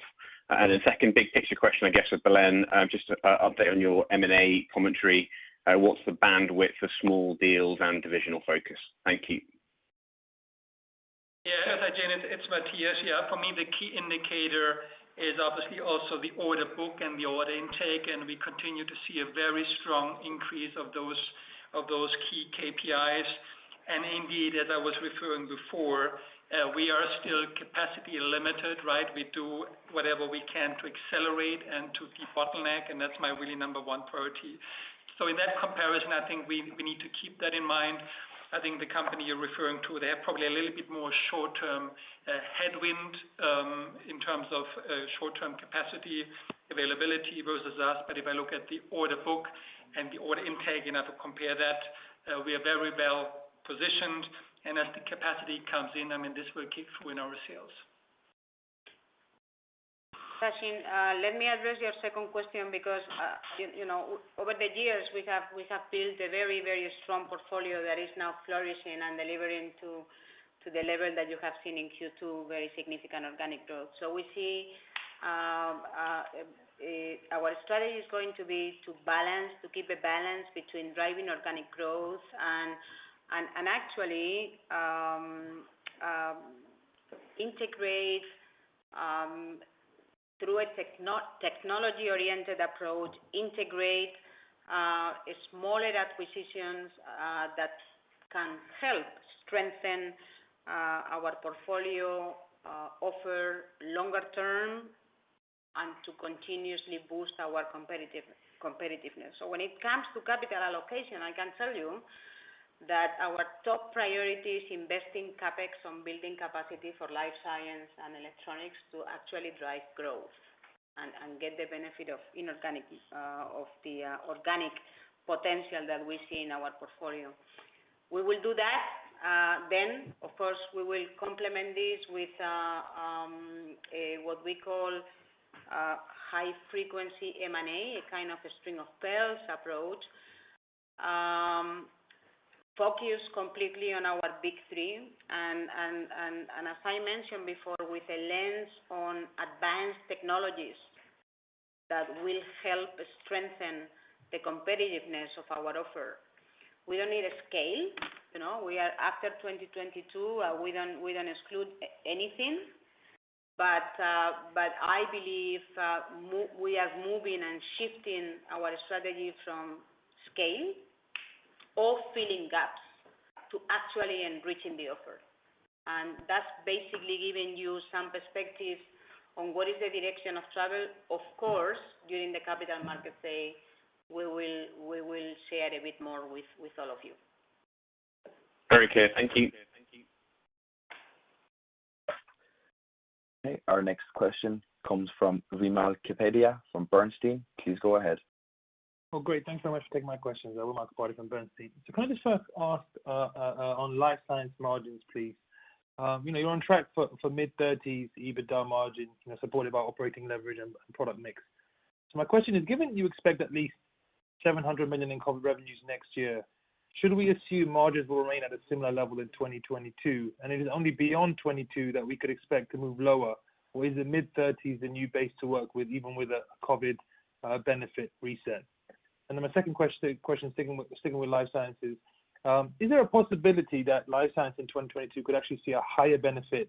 The second big picture question, I guess, for Belén, just an update on your M&A commentary. What's the bandwidth for small deals and divisional focus? Thank you. Yeah. Sachin, it's Matthias here. For me, the key indicator is obviously also the order book and the order intake. We continue to see a very strong increase of those key KPIs. Indeed, as I was referring before, we are still capacity limited, right? We do whatever we can to accelerate and to de-bottleneck. That's my really number one priority. In that comparison, I think we need to keep that in mind. I think the company you're referring to, they have probably a little bit more short-term headwind, in terms of short-term capacity availability versus us. If I look at the order book and the order intake and I compare that, we are very well-positioned. As the capacity comes in, this will kick in our sales. Sachin, let me address your second question because, over the years we have built a very, very strong portfolio that is now flourishing and delivering to the level that you have seen in Q2, very significant organic growth. We see our strategy is going to be to balance, to keep a balance between driving organic growth and actually integrate through a technology-oriented approach, integrate smaller acquisitions that can help strengthen our portfolio offer longer term and to continuously boost our competitiveness. When it comes to capital allocation, I can tell you that our top priority is investing CapEx on building capacity for Life Science and Electronics to actually drive growth and get the benefit of the organic potential that we see in our portfolio. We will do that. Of course, we will complement this with what we call high-frequency M&A, a kind of a string of pearls approach. Focus completely on our big three and, as I mentioned before, with a lens on advanced technologies that will help strengthen the competitiveness of our offer. We don't need a scale. After 2022, we don't exclude anything. I believe, we are moving and shifting our strategy from scale or filling gaps to actually enriching the offer. That's basically giving you some perspective on what is the direction of travel. Of course, during the Capital Markets Day, we will share a bit more with all of you. Very clear. Thank you. Okay, our next question comes from Wimal Kapadia from Bernstein. Please go ahead. Oh, great. Thanks so much for taking my questions. Wimal Kapadia from Bernstein. Can I just first ask on Life Science margins, please. You're on track for mid-30s EBITDA margins, supported by operating leverage and product mix. My question is, given you expect at least 700 million in COVID revenues next year, should we assume margins will remain at a similar level in 2022, and it is only beyond 2022 that we could expect to move lower? Or is the mid-30s the new base to work with, even with a COVID benefit reset? My second question, sticking with Life Science. Is there a possibility that Life Science in 2022 could actually see a higher benefit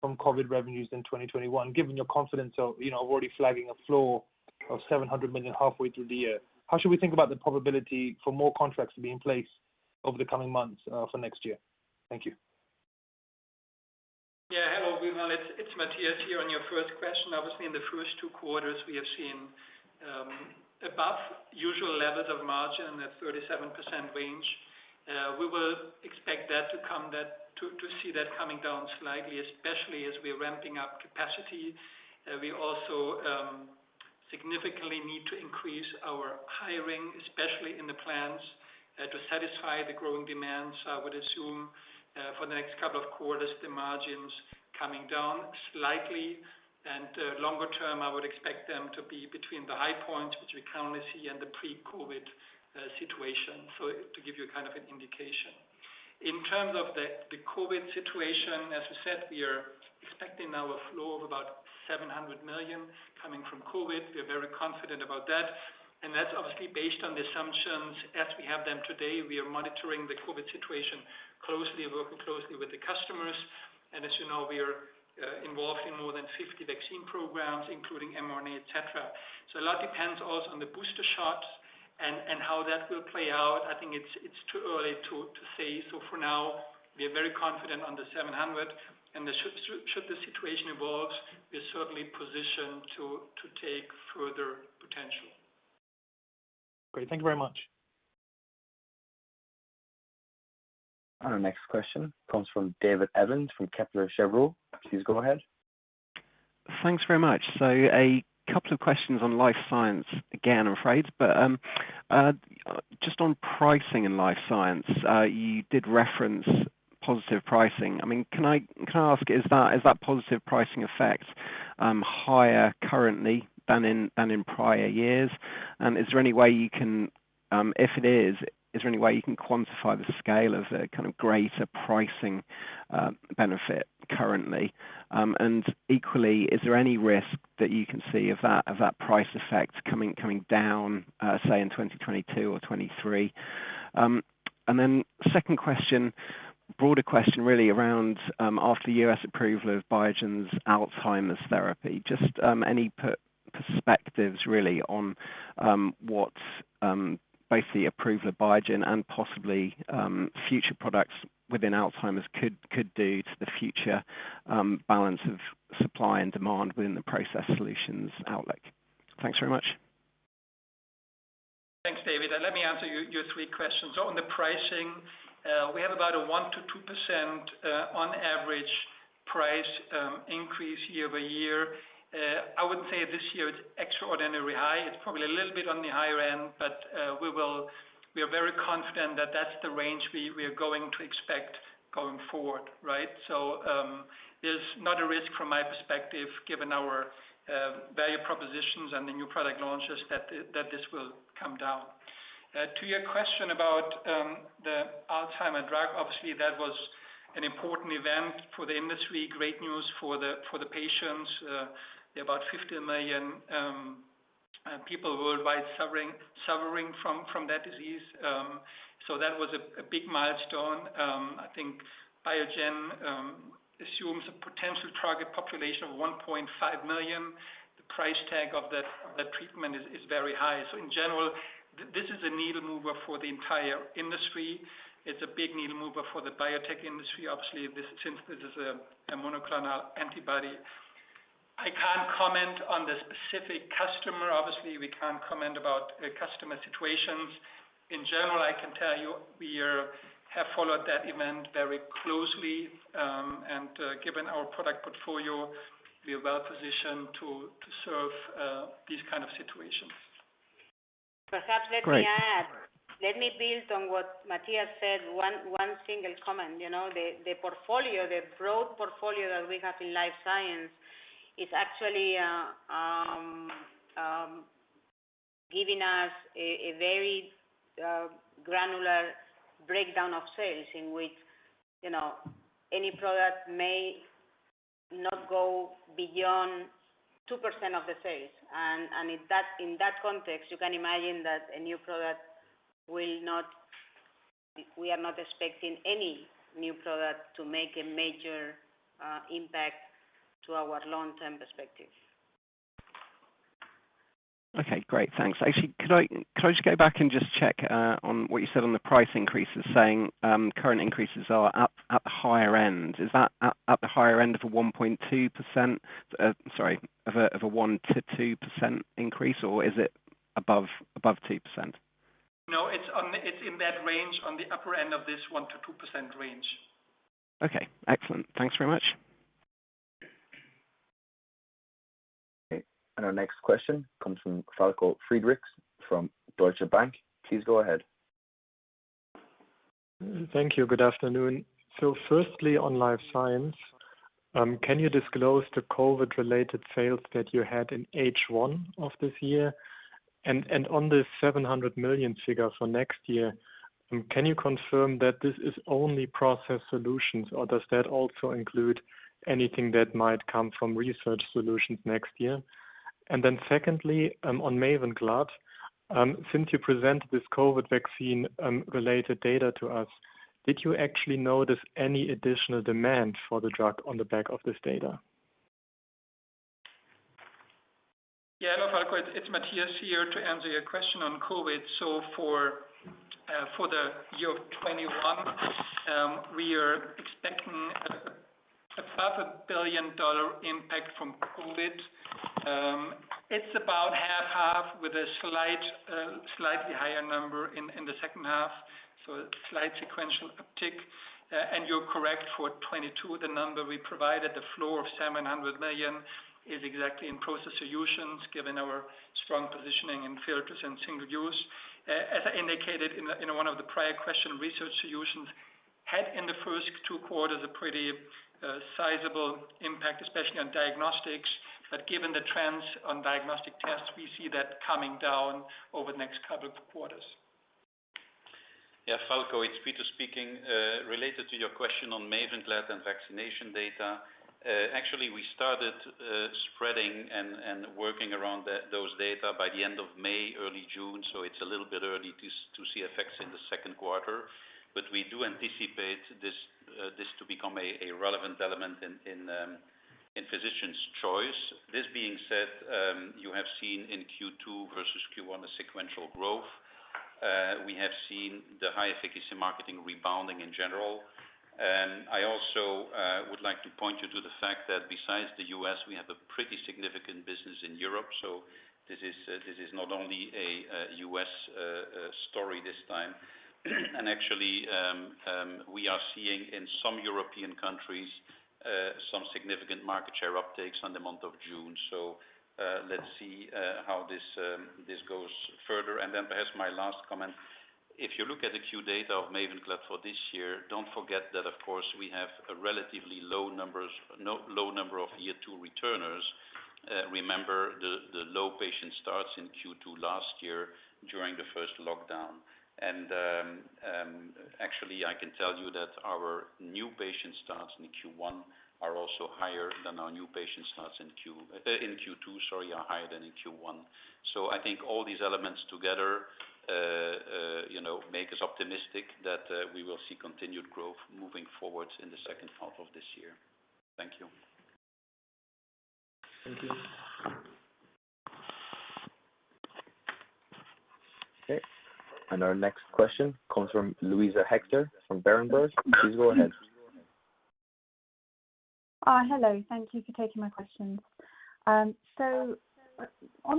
from COVID revenues in 2021, given your confidence of already flagging a flow of 700 million halfway through the year? How should we think about the probability for more contracts to be in place over the coming months for next year? Thank you. Hello, Wimal. It's Matthias here. On your first question, obviously in the first two quarters we have seen above usual levels of margin at 37% range. We will expect to see that coming down slightly, especially as we're ramping up capacity. We also significantly need to increase our hiring, especially in the plans, to satisfy the growing demands. I would assume for the next couple of quarters, the margins coming down slightly. Longer term, I would expect them to be between the high points, which we currently see, and the pre-COVID situation, to give you an indication. In terms of the COVID situation, as we said, we are expecting now a flow of about 700 million coming from COVID. We are very confident about that. That's obviously based on the assumptions as we have them today. We are monitoring the COVID situation closely and working closely with the customers. As you know, we are involved in more than 50 vaccine programs, including mRNA, et cetera. A lot depends also on the booster shots. How that will play out, I think it's too early to say. For now, we are very confident on the 700 million. Should the situation evolve, we are certainly positioned to take further potential. Great. Thank you very much. Our next question comes from David Evans from Kepler Cheuvreux. Please go ahead. Thanks very much. A couple of questions on Life Science again, I'm afraid. Just on pricing in Life Science, you did reference positive pricing. Can I ask, is that positive pricing effect higher currently than in prior years? If it is there any way you can quantify the scale of the greater pricing benefit currently? Equally, is there any risk that you can see of that price effect coming down, say in 2022 or 2023? Second question, broader question really around after U.S. approval of Biogen's Alzheimer's therapy, just any perspectives really on what both the approval of Biogen and possibly future products within Alzheimer's could do to the future balance of supply and demand within the Process Solutions outlook? Thanks very much. Thanks, David. Let me answer your three questions. On the pricing, we have about a 1%-2% on average price increase year-over-year. I wouldn't say this year it's extraordinarily high. It's probably a little bit on the higher end, but we are very confident that that's the range we are going to expect going forward. It's not a risk from my perspective, given our value propositions and the new product launches, that this will come down. To your question about the Alzheimer drug, obviously, that was an important event for the industry, great news for the patients. There are about 50 million people worldwide suffering from that disease. That was a big milestone. I think Biogen assumes a potential target population of 1.5 million. The price tag of that treatment is very high. In general, this is a needle mover for the entire industry. It's a big needle mover for the biotech industry. Obviously, since this is a monoclonal antibody. I can't comment on the specific customer. Obviously, we can't comment about customer situations. In general, I can tell you we have followed that event very closely, and given our product portfolio, we are well-positioned to serve these kind of situations. Great. Perhaps let me add, let me build on what Matthias Heinzel said, one single comment. The portfolio, the broad portfolio that we have in Life Science is actually giving us a very granular breakdown of sales in which any product may not go beyond 2% of the sales. In that context, you can imagine that, we are not expecting any new product to make a major impact to our long-term perspective. Okay, great. Thanks. Actually, could I just go back and just check on what you said on the price increases, saying current increases are at the higher end. Is that at the higher end of a 1.2%, sorry, of a 1%-2% increase, or is it above 2%? No, it's in that range, on the upper end of this 1%-2% range. Okay. Excellent. Thanks very much. Our next question comes from Falko Friedrichs from Deutsche Bank. Please go ahead. Thank you. Good afternoon. Firstly, on Life Science, can you disclose the COVID-related sales that you had in H1 of this year? On the 700 million figure for next year, can you confirm that this is only Process Solutions or does that also include anything that might come from Research Solutions next year? Secondly, on MAVENCLAD, since you present this COVID vaccine-related data to us, did you actually notice any additional demand for the drug on the back of this data? Hello, Falko. It's Matthias Heinzel here to answer your question on COVID. For the year 2021, we are expecting above a [$1 billion] impact from COVID. It's about half-half with a slightly higher number in the second half, a slight sequential uptick. You're correct, for 2022, the number we provided, the floor of 700 million, is exactly in Process Solutions, given our strong positioning in filters and single use. As I indicated in one of the prior questions, Research Solutions had in the first two quarters, a pretty sizable impact, especially on diagnostics. Given the trends on diagnostic tests, we see that coming down over the next couple of quarters. Yeah, Falko, it's Peter speaking. Related to your question on MAVENCLAD and vaccination data, actually, we started spreading and working around those data by the end of May, early June, so it's a little bit early to see effects in the second quarter. We do anticipate this to become a relevant element in physician's choice. This being said, you have seen in Q2 versus Q1, a sequential growth. We have seen the high efficacy market rebounding in general. I also would like to point you to the fact that besides the U.S., we have a pretty significant business in Europe. This is not only a U.S. story this time. Actually, we are seeing in some European countries, some significant market share uptakes on the month of June. Let's see how this goes further. Perhaps my last comment, if you look at the Q data of MAVENCLAD for this year, don't forget that, of course, we have a relatively low number of year two returners. Remember the low patient starts in Q2 last year during the first lockdown. Actually I can tell you that our new patient starts in Q1 are also higher than our new patient starts in Q2 are higher than in Q1. I think all these elements together make us optimistic that we will see continued growth moving forward in the second half of this year. Thank you. Thank you. Okay. Our next question comes from Luisa Hector from Berenberg. Please go ahead. Hello, thank you for taking my questions. On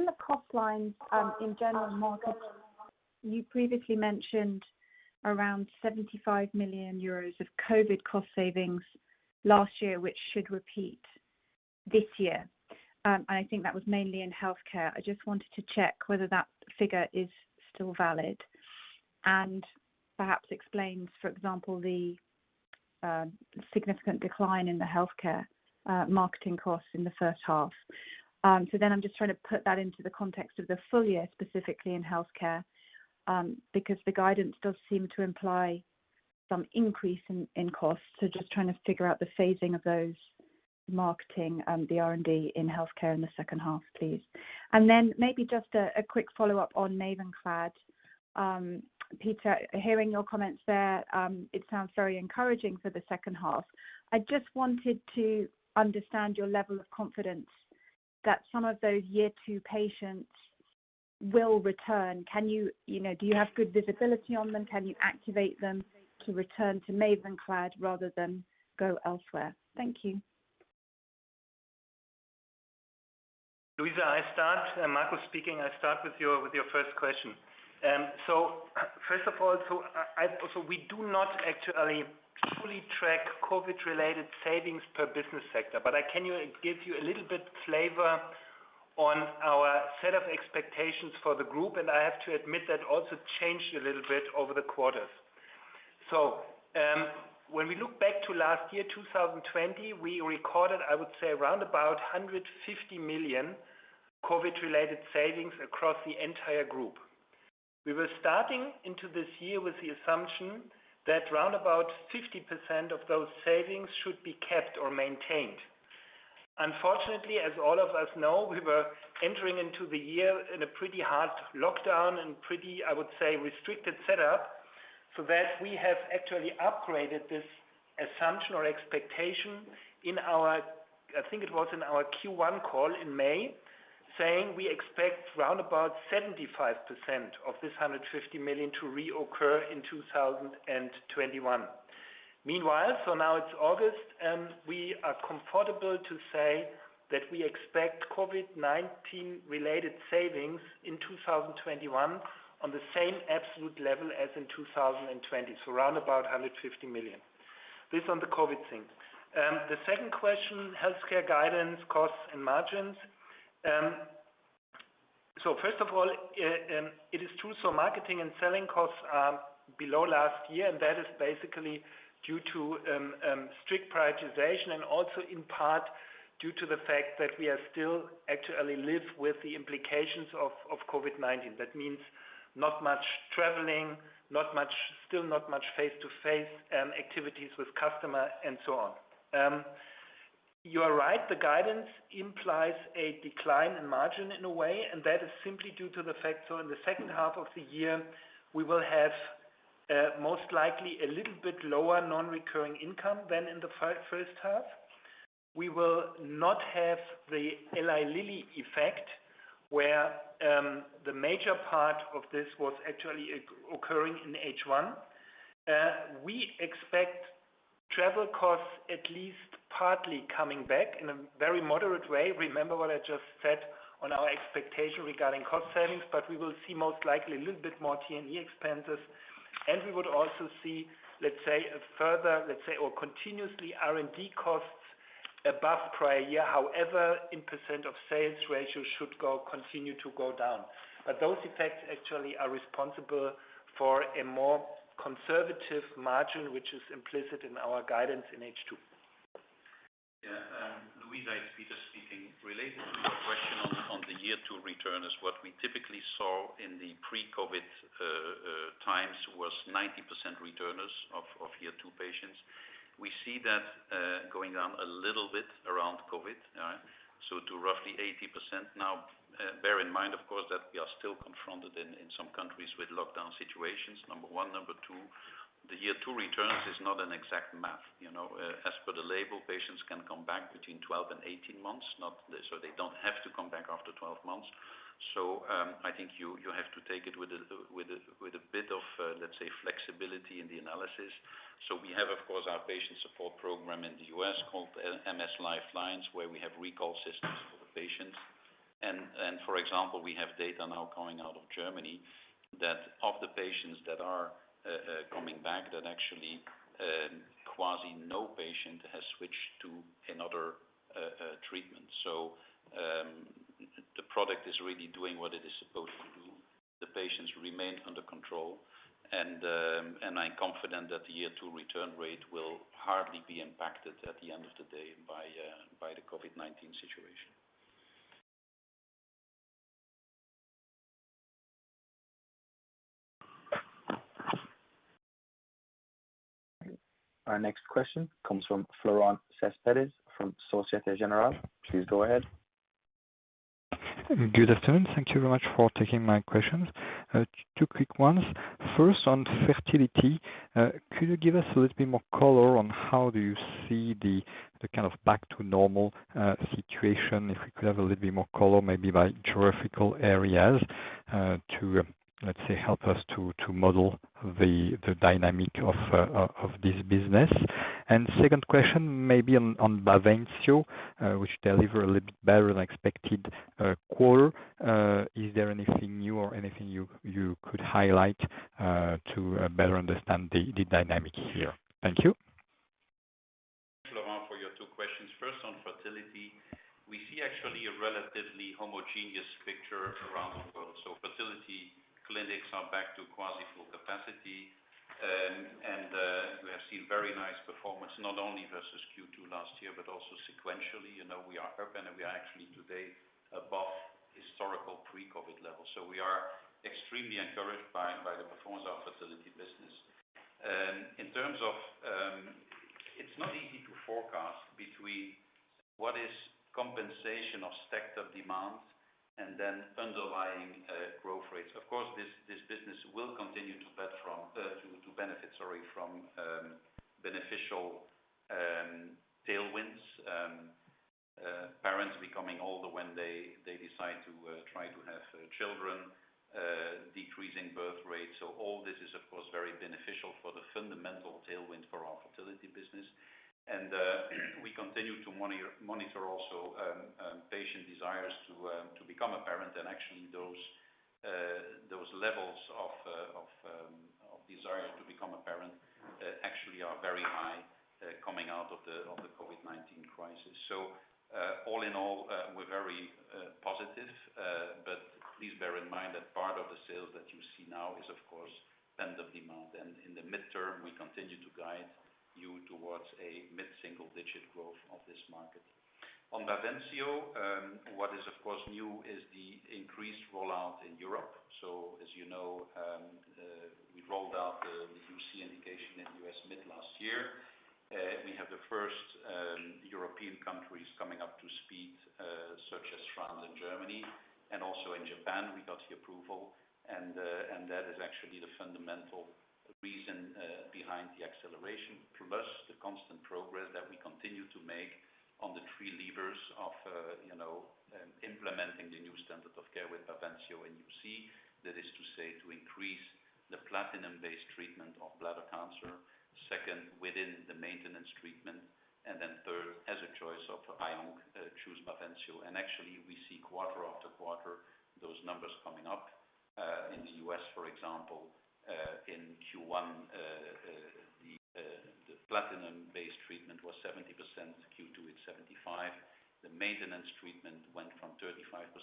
the cost lines, in general markets, you previously mentioned around 75 million euros of COVID cost savings last year, which should repeat this year. I think that was mainly in Healthcare. I just wanted to check whether that figure is still valid and perhaps explains, for example, the significant decline in the Healthcare marketing costs in the first half. I'm just trying to put that into the context of the full year, specifically in Healthcare, because the guidance does seem to imply some increase in costs. Just trying to figure out the phasing of those marketing, the R&D in Healthcare in the second half, please. Maybe just a quick follow-up on MAVENCLAD. Peter, hearing your comments there, it sounds very encouraging for the second half. I just wanted to understand your level of confidence that some of those year two patients will return. Do you have good visibility on them? Can you activate them to return to MAVENCLAD rather than go elsewhere? Thank you. Luisa, I start, Marcus speaking. I start with your first question. First of all, we do not actually fully track COVID-related savings per business sector, but I can give you a little bit flavor on our set of expectations for the group, and I have to admit that also changed a little bit over the quarters. When we look back to last year, 2020, we recorded, I would say around about 150 million COVID-related savings across the entire group. We were starting into this year with the assumption that around about 50% of those savings should be kept or maintained. Unfortunately, as all of us know, we were entering into the year in a pretty hard lockdown and pretty, I would say, restricted setup, so that we have actually upgraded this assumption or expectation in our, I think it was in our Q1 call in May, saying we expect around about 75% of this 150 million to reoccur in 2021. Meanwhile, now it's August, we are comfortable to say that we expect COVID-19 related savings in 2021 on the same absolute level as in 2020. Around about 150 million. This on the COVID thing. The second question, Healthcare guidance costs and margins. First of all, it is true, marketing and selling costs are below last year, and that is basically due to strict prioritization and also in part due to the fact that we are still actually live with the implications of COVID-19. That means not much traveling, still not much face-to-face activities with customer and so on. You are right, the guidance implies a decline in margin in one way, and that is simply due to the fact, so in the second half of the year, we will have, most likely a little bit lower non-recurring income than in the first half. We will not have the Eli Lilly effect, where the major part of this was actually occurring in H1. We expect travel costs at least partly coming back in a very moderate way. Remember what I just said on our expectation regarding cost savings, but we will see most likely a little bit more T&E expenses, and we would also see, let's say a further or continuously R&D costs above prior year. However, in percent of sales ratio should continue to go down. Those effects actually are responsible for a more conservative margin, which is implicit in our guidance in H2. Luisa, it's Peter speaking. Related to your question on the year two return is what we typically saw in the pre-COVID times. We see that going down a little bit around COVID. To roughly 80%. Bear in mind, of course, that we are still confronted in some countries with lockdown situations, number one. Number two, the year two returns is not an exact math. As per the label, patients can come back between 12 and 18 months. They don't have to come back after 12 months. I think you have to take it with a bit of, let's say, flexibility in the analysis. We have, of course, our patient support program in the U.S. called MS LifeLines, where we have recall systems for the patients. For example, we have data now coming out of Germany, that of the patients that are coming back, that actually quasi no patient has switched to another treatment. The product is really doing what it is supposed to do. The patients remain under control and I'm confident that the year-two return rate will hardly be impacted at the end of the day by the COVID-19 situation. Our next question comes from Florent Cespedes from Société Générale. Please go ahead. Good afternoon. Thank you very much for taking my questions. Two quick ones. First, on fertility, could you give us a little bit more color on how do you see the back to normal situation? If we could have a little bit more color, maybe by geographical areas, to let's say, help us to model the dynamic of this business. Second question, maybe on BAVENCIO, which delivered a little better than expected quarter. Is there anything new or anything you could highlight to better understand the dynamic here? Thank you. Thanks Florent for your two questions. First, on fertility, we see actually a relatively homogeneous picture around the world. Fertility clinics are back to quasi full capacity. We have seen very nice performance, not only versus Q2 last year, but also sequentially. We are up and we are actually today above historical pre-COVID levels. We are extremely encouraged by the performance of our fertility business. It's not easy to forecast between what is compensation of stacked-up demand and then underlying growth rates. Of course, this business will continue to benefit from beneficial tailwinds. Parents becoming older when they decide to try to have children, decreasing birth rates. All this is, of course, very beneficial for the fundamental tailwind for our fertility business. We continue to monitor also patient desires to become a parent. Actually, those levels of desire to become a parent actually are very high, coming out of the COVID-19 crisis. All in all, we're very positive. Please bear in mind that part of the sales that you see now is, of course, pent-up demand. In the midterm, we continue to guide you towards a mid-single-digit growth of this market. On BAVENCIO, what is of course new is the increased rollout in Europe. As you know, we rolled out the UC indication in the U.S. mid last year. We have the first European countries coming up to speed, such as France and Germany, and also in Japan, we got the approval. That is actually the fundamental reason behind the acceleration. Plus, the constant progress that we continue to make on the three levers of implementing the new standard of care with BAVENCIO in UC. That is to say, to increase the platinum-based treatment of bladder cancer. Second, within the maintenance treatment, then third, as a choice of IO, choose BAVENCIO. Actually, we see quarter-after-quarter those numbers coming up. In the U.S., for example, in Q1 the platinum-based treatment was 70%, Q2 it's 75%. The maintenance treatment went from 35%-45%.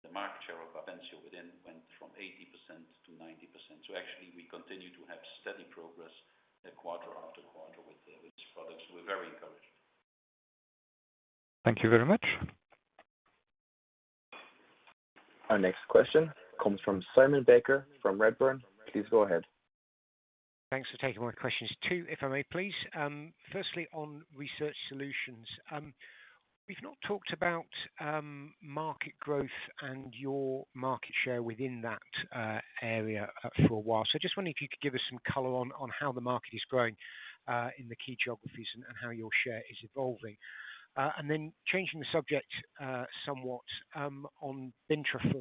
The market share of BAVENCIO within went from 80%-90%. Actually, we continue to have steady progress quarter-after-quarter with these products. We're very encouraged. Thank you very much. Our next question comes from Simon Baker from Redburn. Please go ahead. Thanks for taking my questions. Two, if I may please. On Research Solutions. We've not talked about market growth and your market share within that area for a while. Just wondering if you could give us some color on how the market is growing in the key geographies and how your share is evolving. Then changing the subject somewhat, on bintrafusp alfa.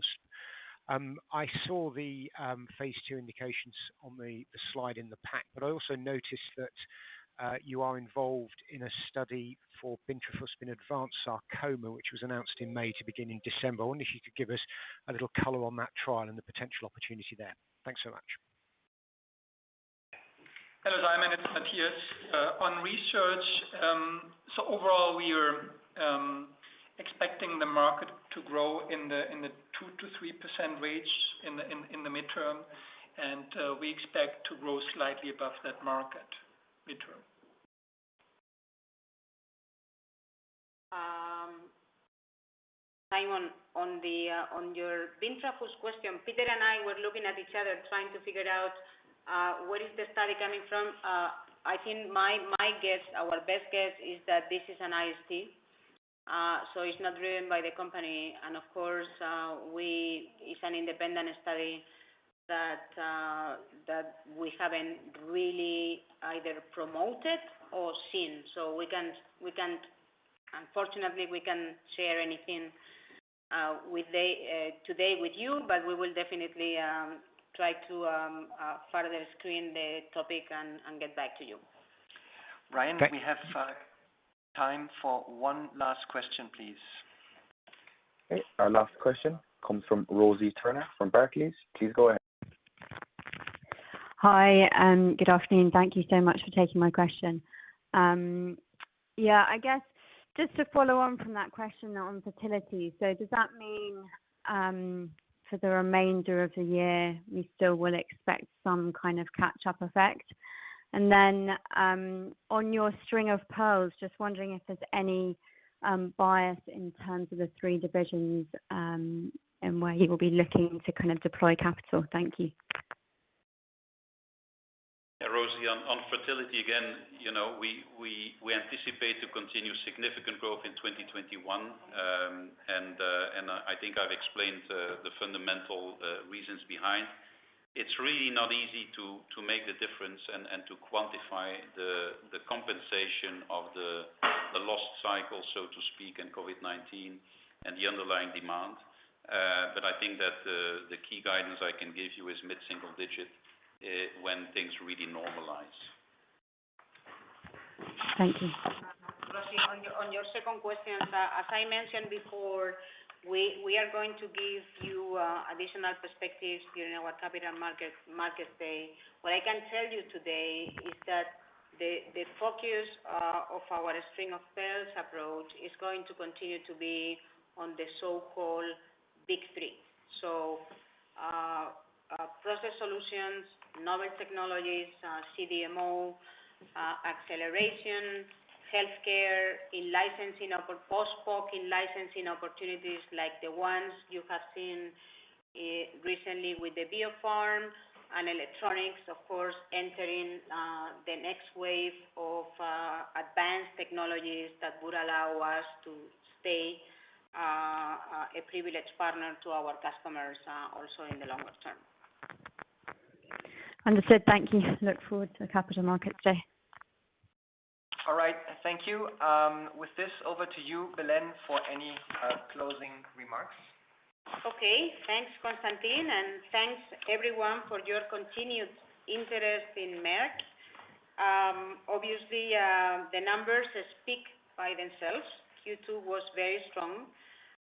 I saw the phase II indications on the slide in the pack. I also noticed that you are involved in a study for bintrafusp alfa in advanced sarcoma, which was announced in May to begin in December. I wonder if you could give us a little color on that trial and the potential opportunity there. Thanks so much. Hello, Simon. It's Matthias. Overall, we are expecting the market to grow in the 2%-3% range in the midterm, and we expect to grow slightly above that market midterm. On your bintrafusp alfa question, Peter and I were looking at each other trying to figure out where is the study coming from. I think our best guess is that this is an IST, so it is not driven by the company. Of course, it is an independent study that we have not really either promoted or seen, so unfortunately, we cannot share anything today with you, but we will definitely try to further screen the topic and get back to you. Ryan, we have time for one last question, please. Okay. Our last question comes from Rosie Turner from Barclays. Please go ahead. Hi, and good afternoon. Thank you so much for taking my question. I guess just to follow on from that question on Fertility. Does that mean, for the remainder of the year, we still will expect some kind of catch-up effect? Then, on your string of pearls, just wondering if there's any bias in terms of the three divisions, and where you will be looking to deploy capital. Thank you. Rosie, on Fertility again, we anticipate to continue significant growth in 2021. I think I've explained the fundamental reasons behind. It's really not easy to make the difference and to quantify the compensation of the lost cycle, so to speak, and COVID-19 and the underlying demand. I think that the key guidance I can give you is mid-single digit, when things really normalize. Thank you. Rosie, on your second question, as I mentioned before, we are going to give you additional perspectives during our Capital Markets Day. What I can tell you today is that the focus of our string-of-pearls approach is going to continue to be on the so-called big three. Process Solutions, novel technologies, CDMO acceleration, Healthcare, post-COVID licensing opportunities like the ones you have seen recently with the Debiopharm and Electronics, of course, entering the next wave of advanced technologies that would allow us to stay a privileged partner to our customers also in the longer term. Understood. Thank you. Look forward to the Capital Markets Day. All right. Thank you. With this, over to you, Belén, for any closing remarks. Okay. Thanks, Constantin, and thanks everyone for your continued interest in Merck. Obviously, the numbers speak by themselves. Q2 was very strong.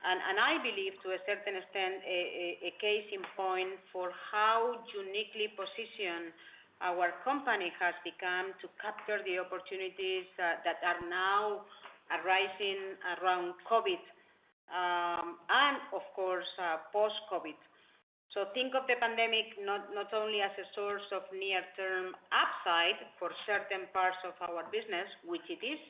I believe, to a certain extent, a case in point for how uniquely positioned our company has become to capture the opportunities that are now arising around COVID, and of course, post-COVID. Think of the pandemic not only as a source of near-term upside for certain parts of our business, which it is,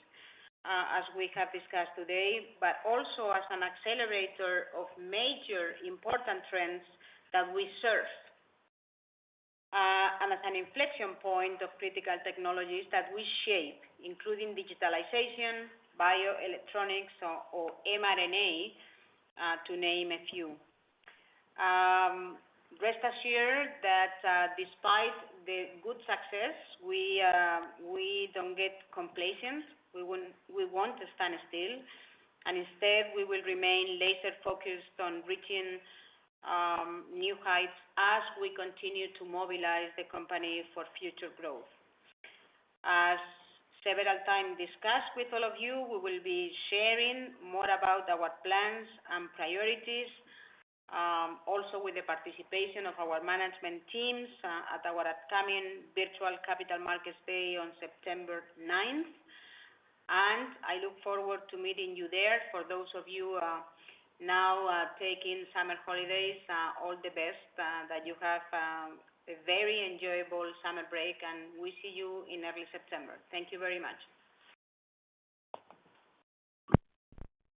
as we have discussed today, but also as an accelerator of major important trends that we serve, and as an inflection point of critical technologies that we shape, including digitalization, bioelectronics, or mRNA, to name a few. Rest assured that despite the good success, we don't get complacent. We won't stand still, and instead, we will remain laser-focused on reaching new heights as we continue to mobilize the company for future growth. As several times discussed with all of you, we will be sharing more about our plans and priorities, also with the participation of our management teams at our upcoming virtual Capital Markets Day on September 9th. I look forward to meeting you there. For those of you now taking summer holidays, all the best, that you have a very enjoyable summer break, and we see you in early September. Thank you very much.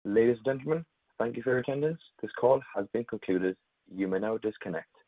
Ladies and gentlemen, thank you for your attendance. This call has been concluded. You may now disconnect.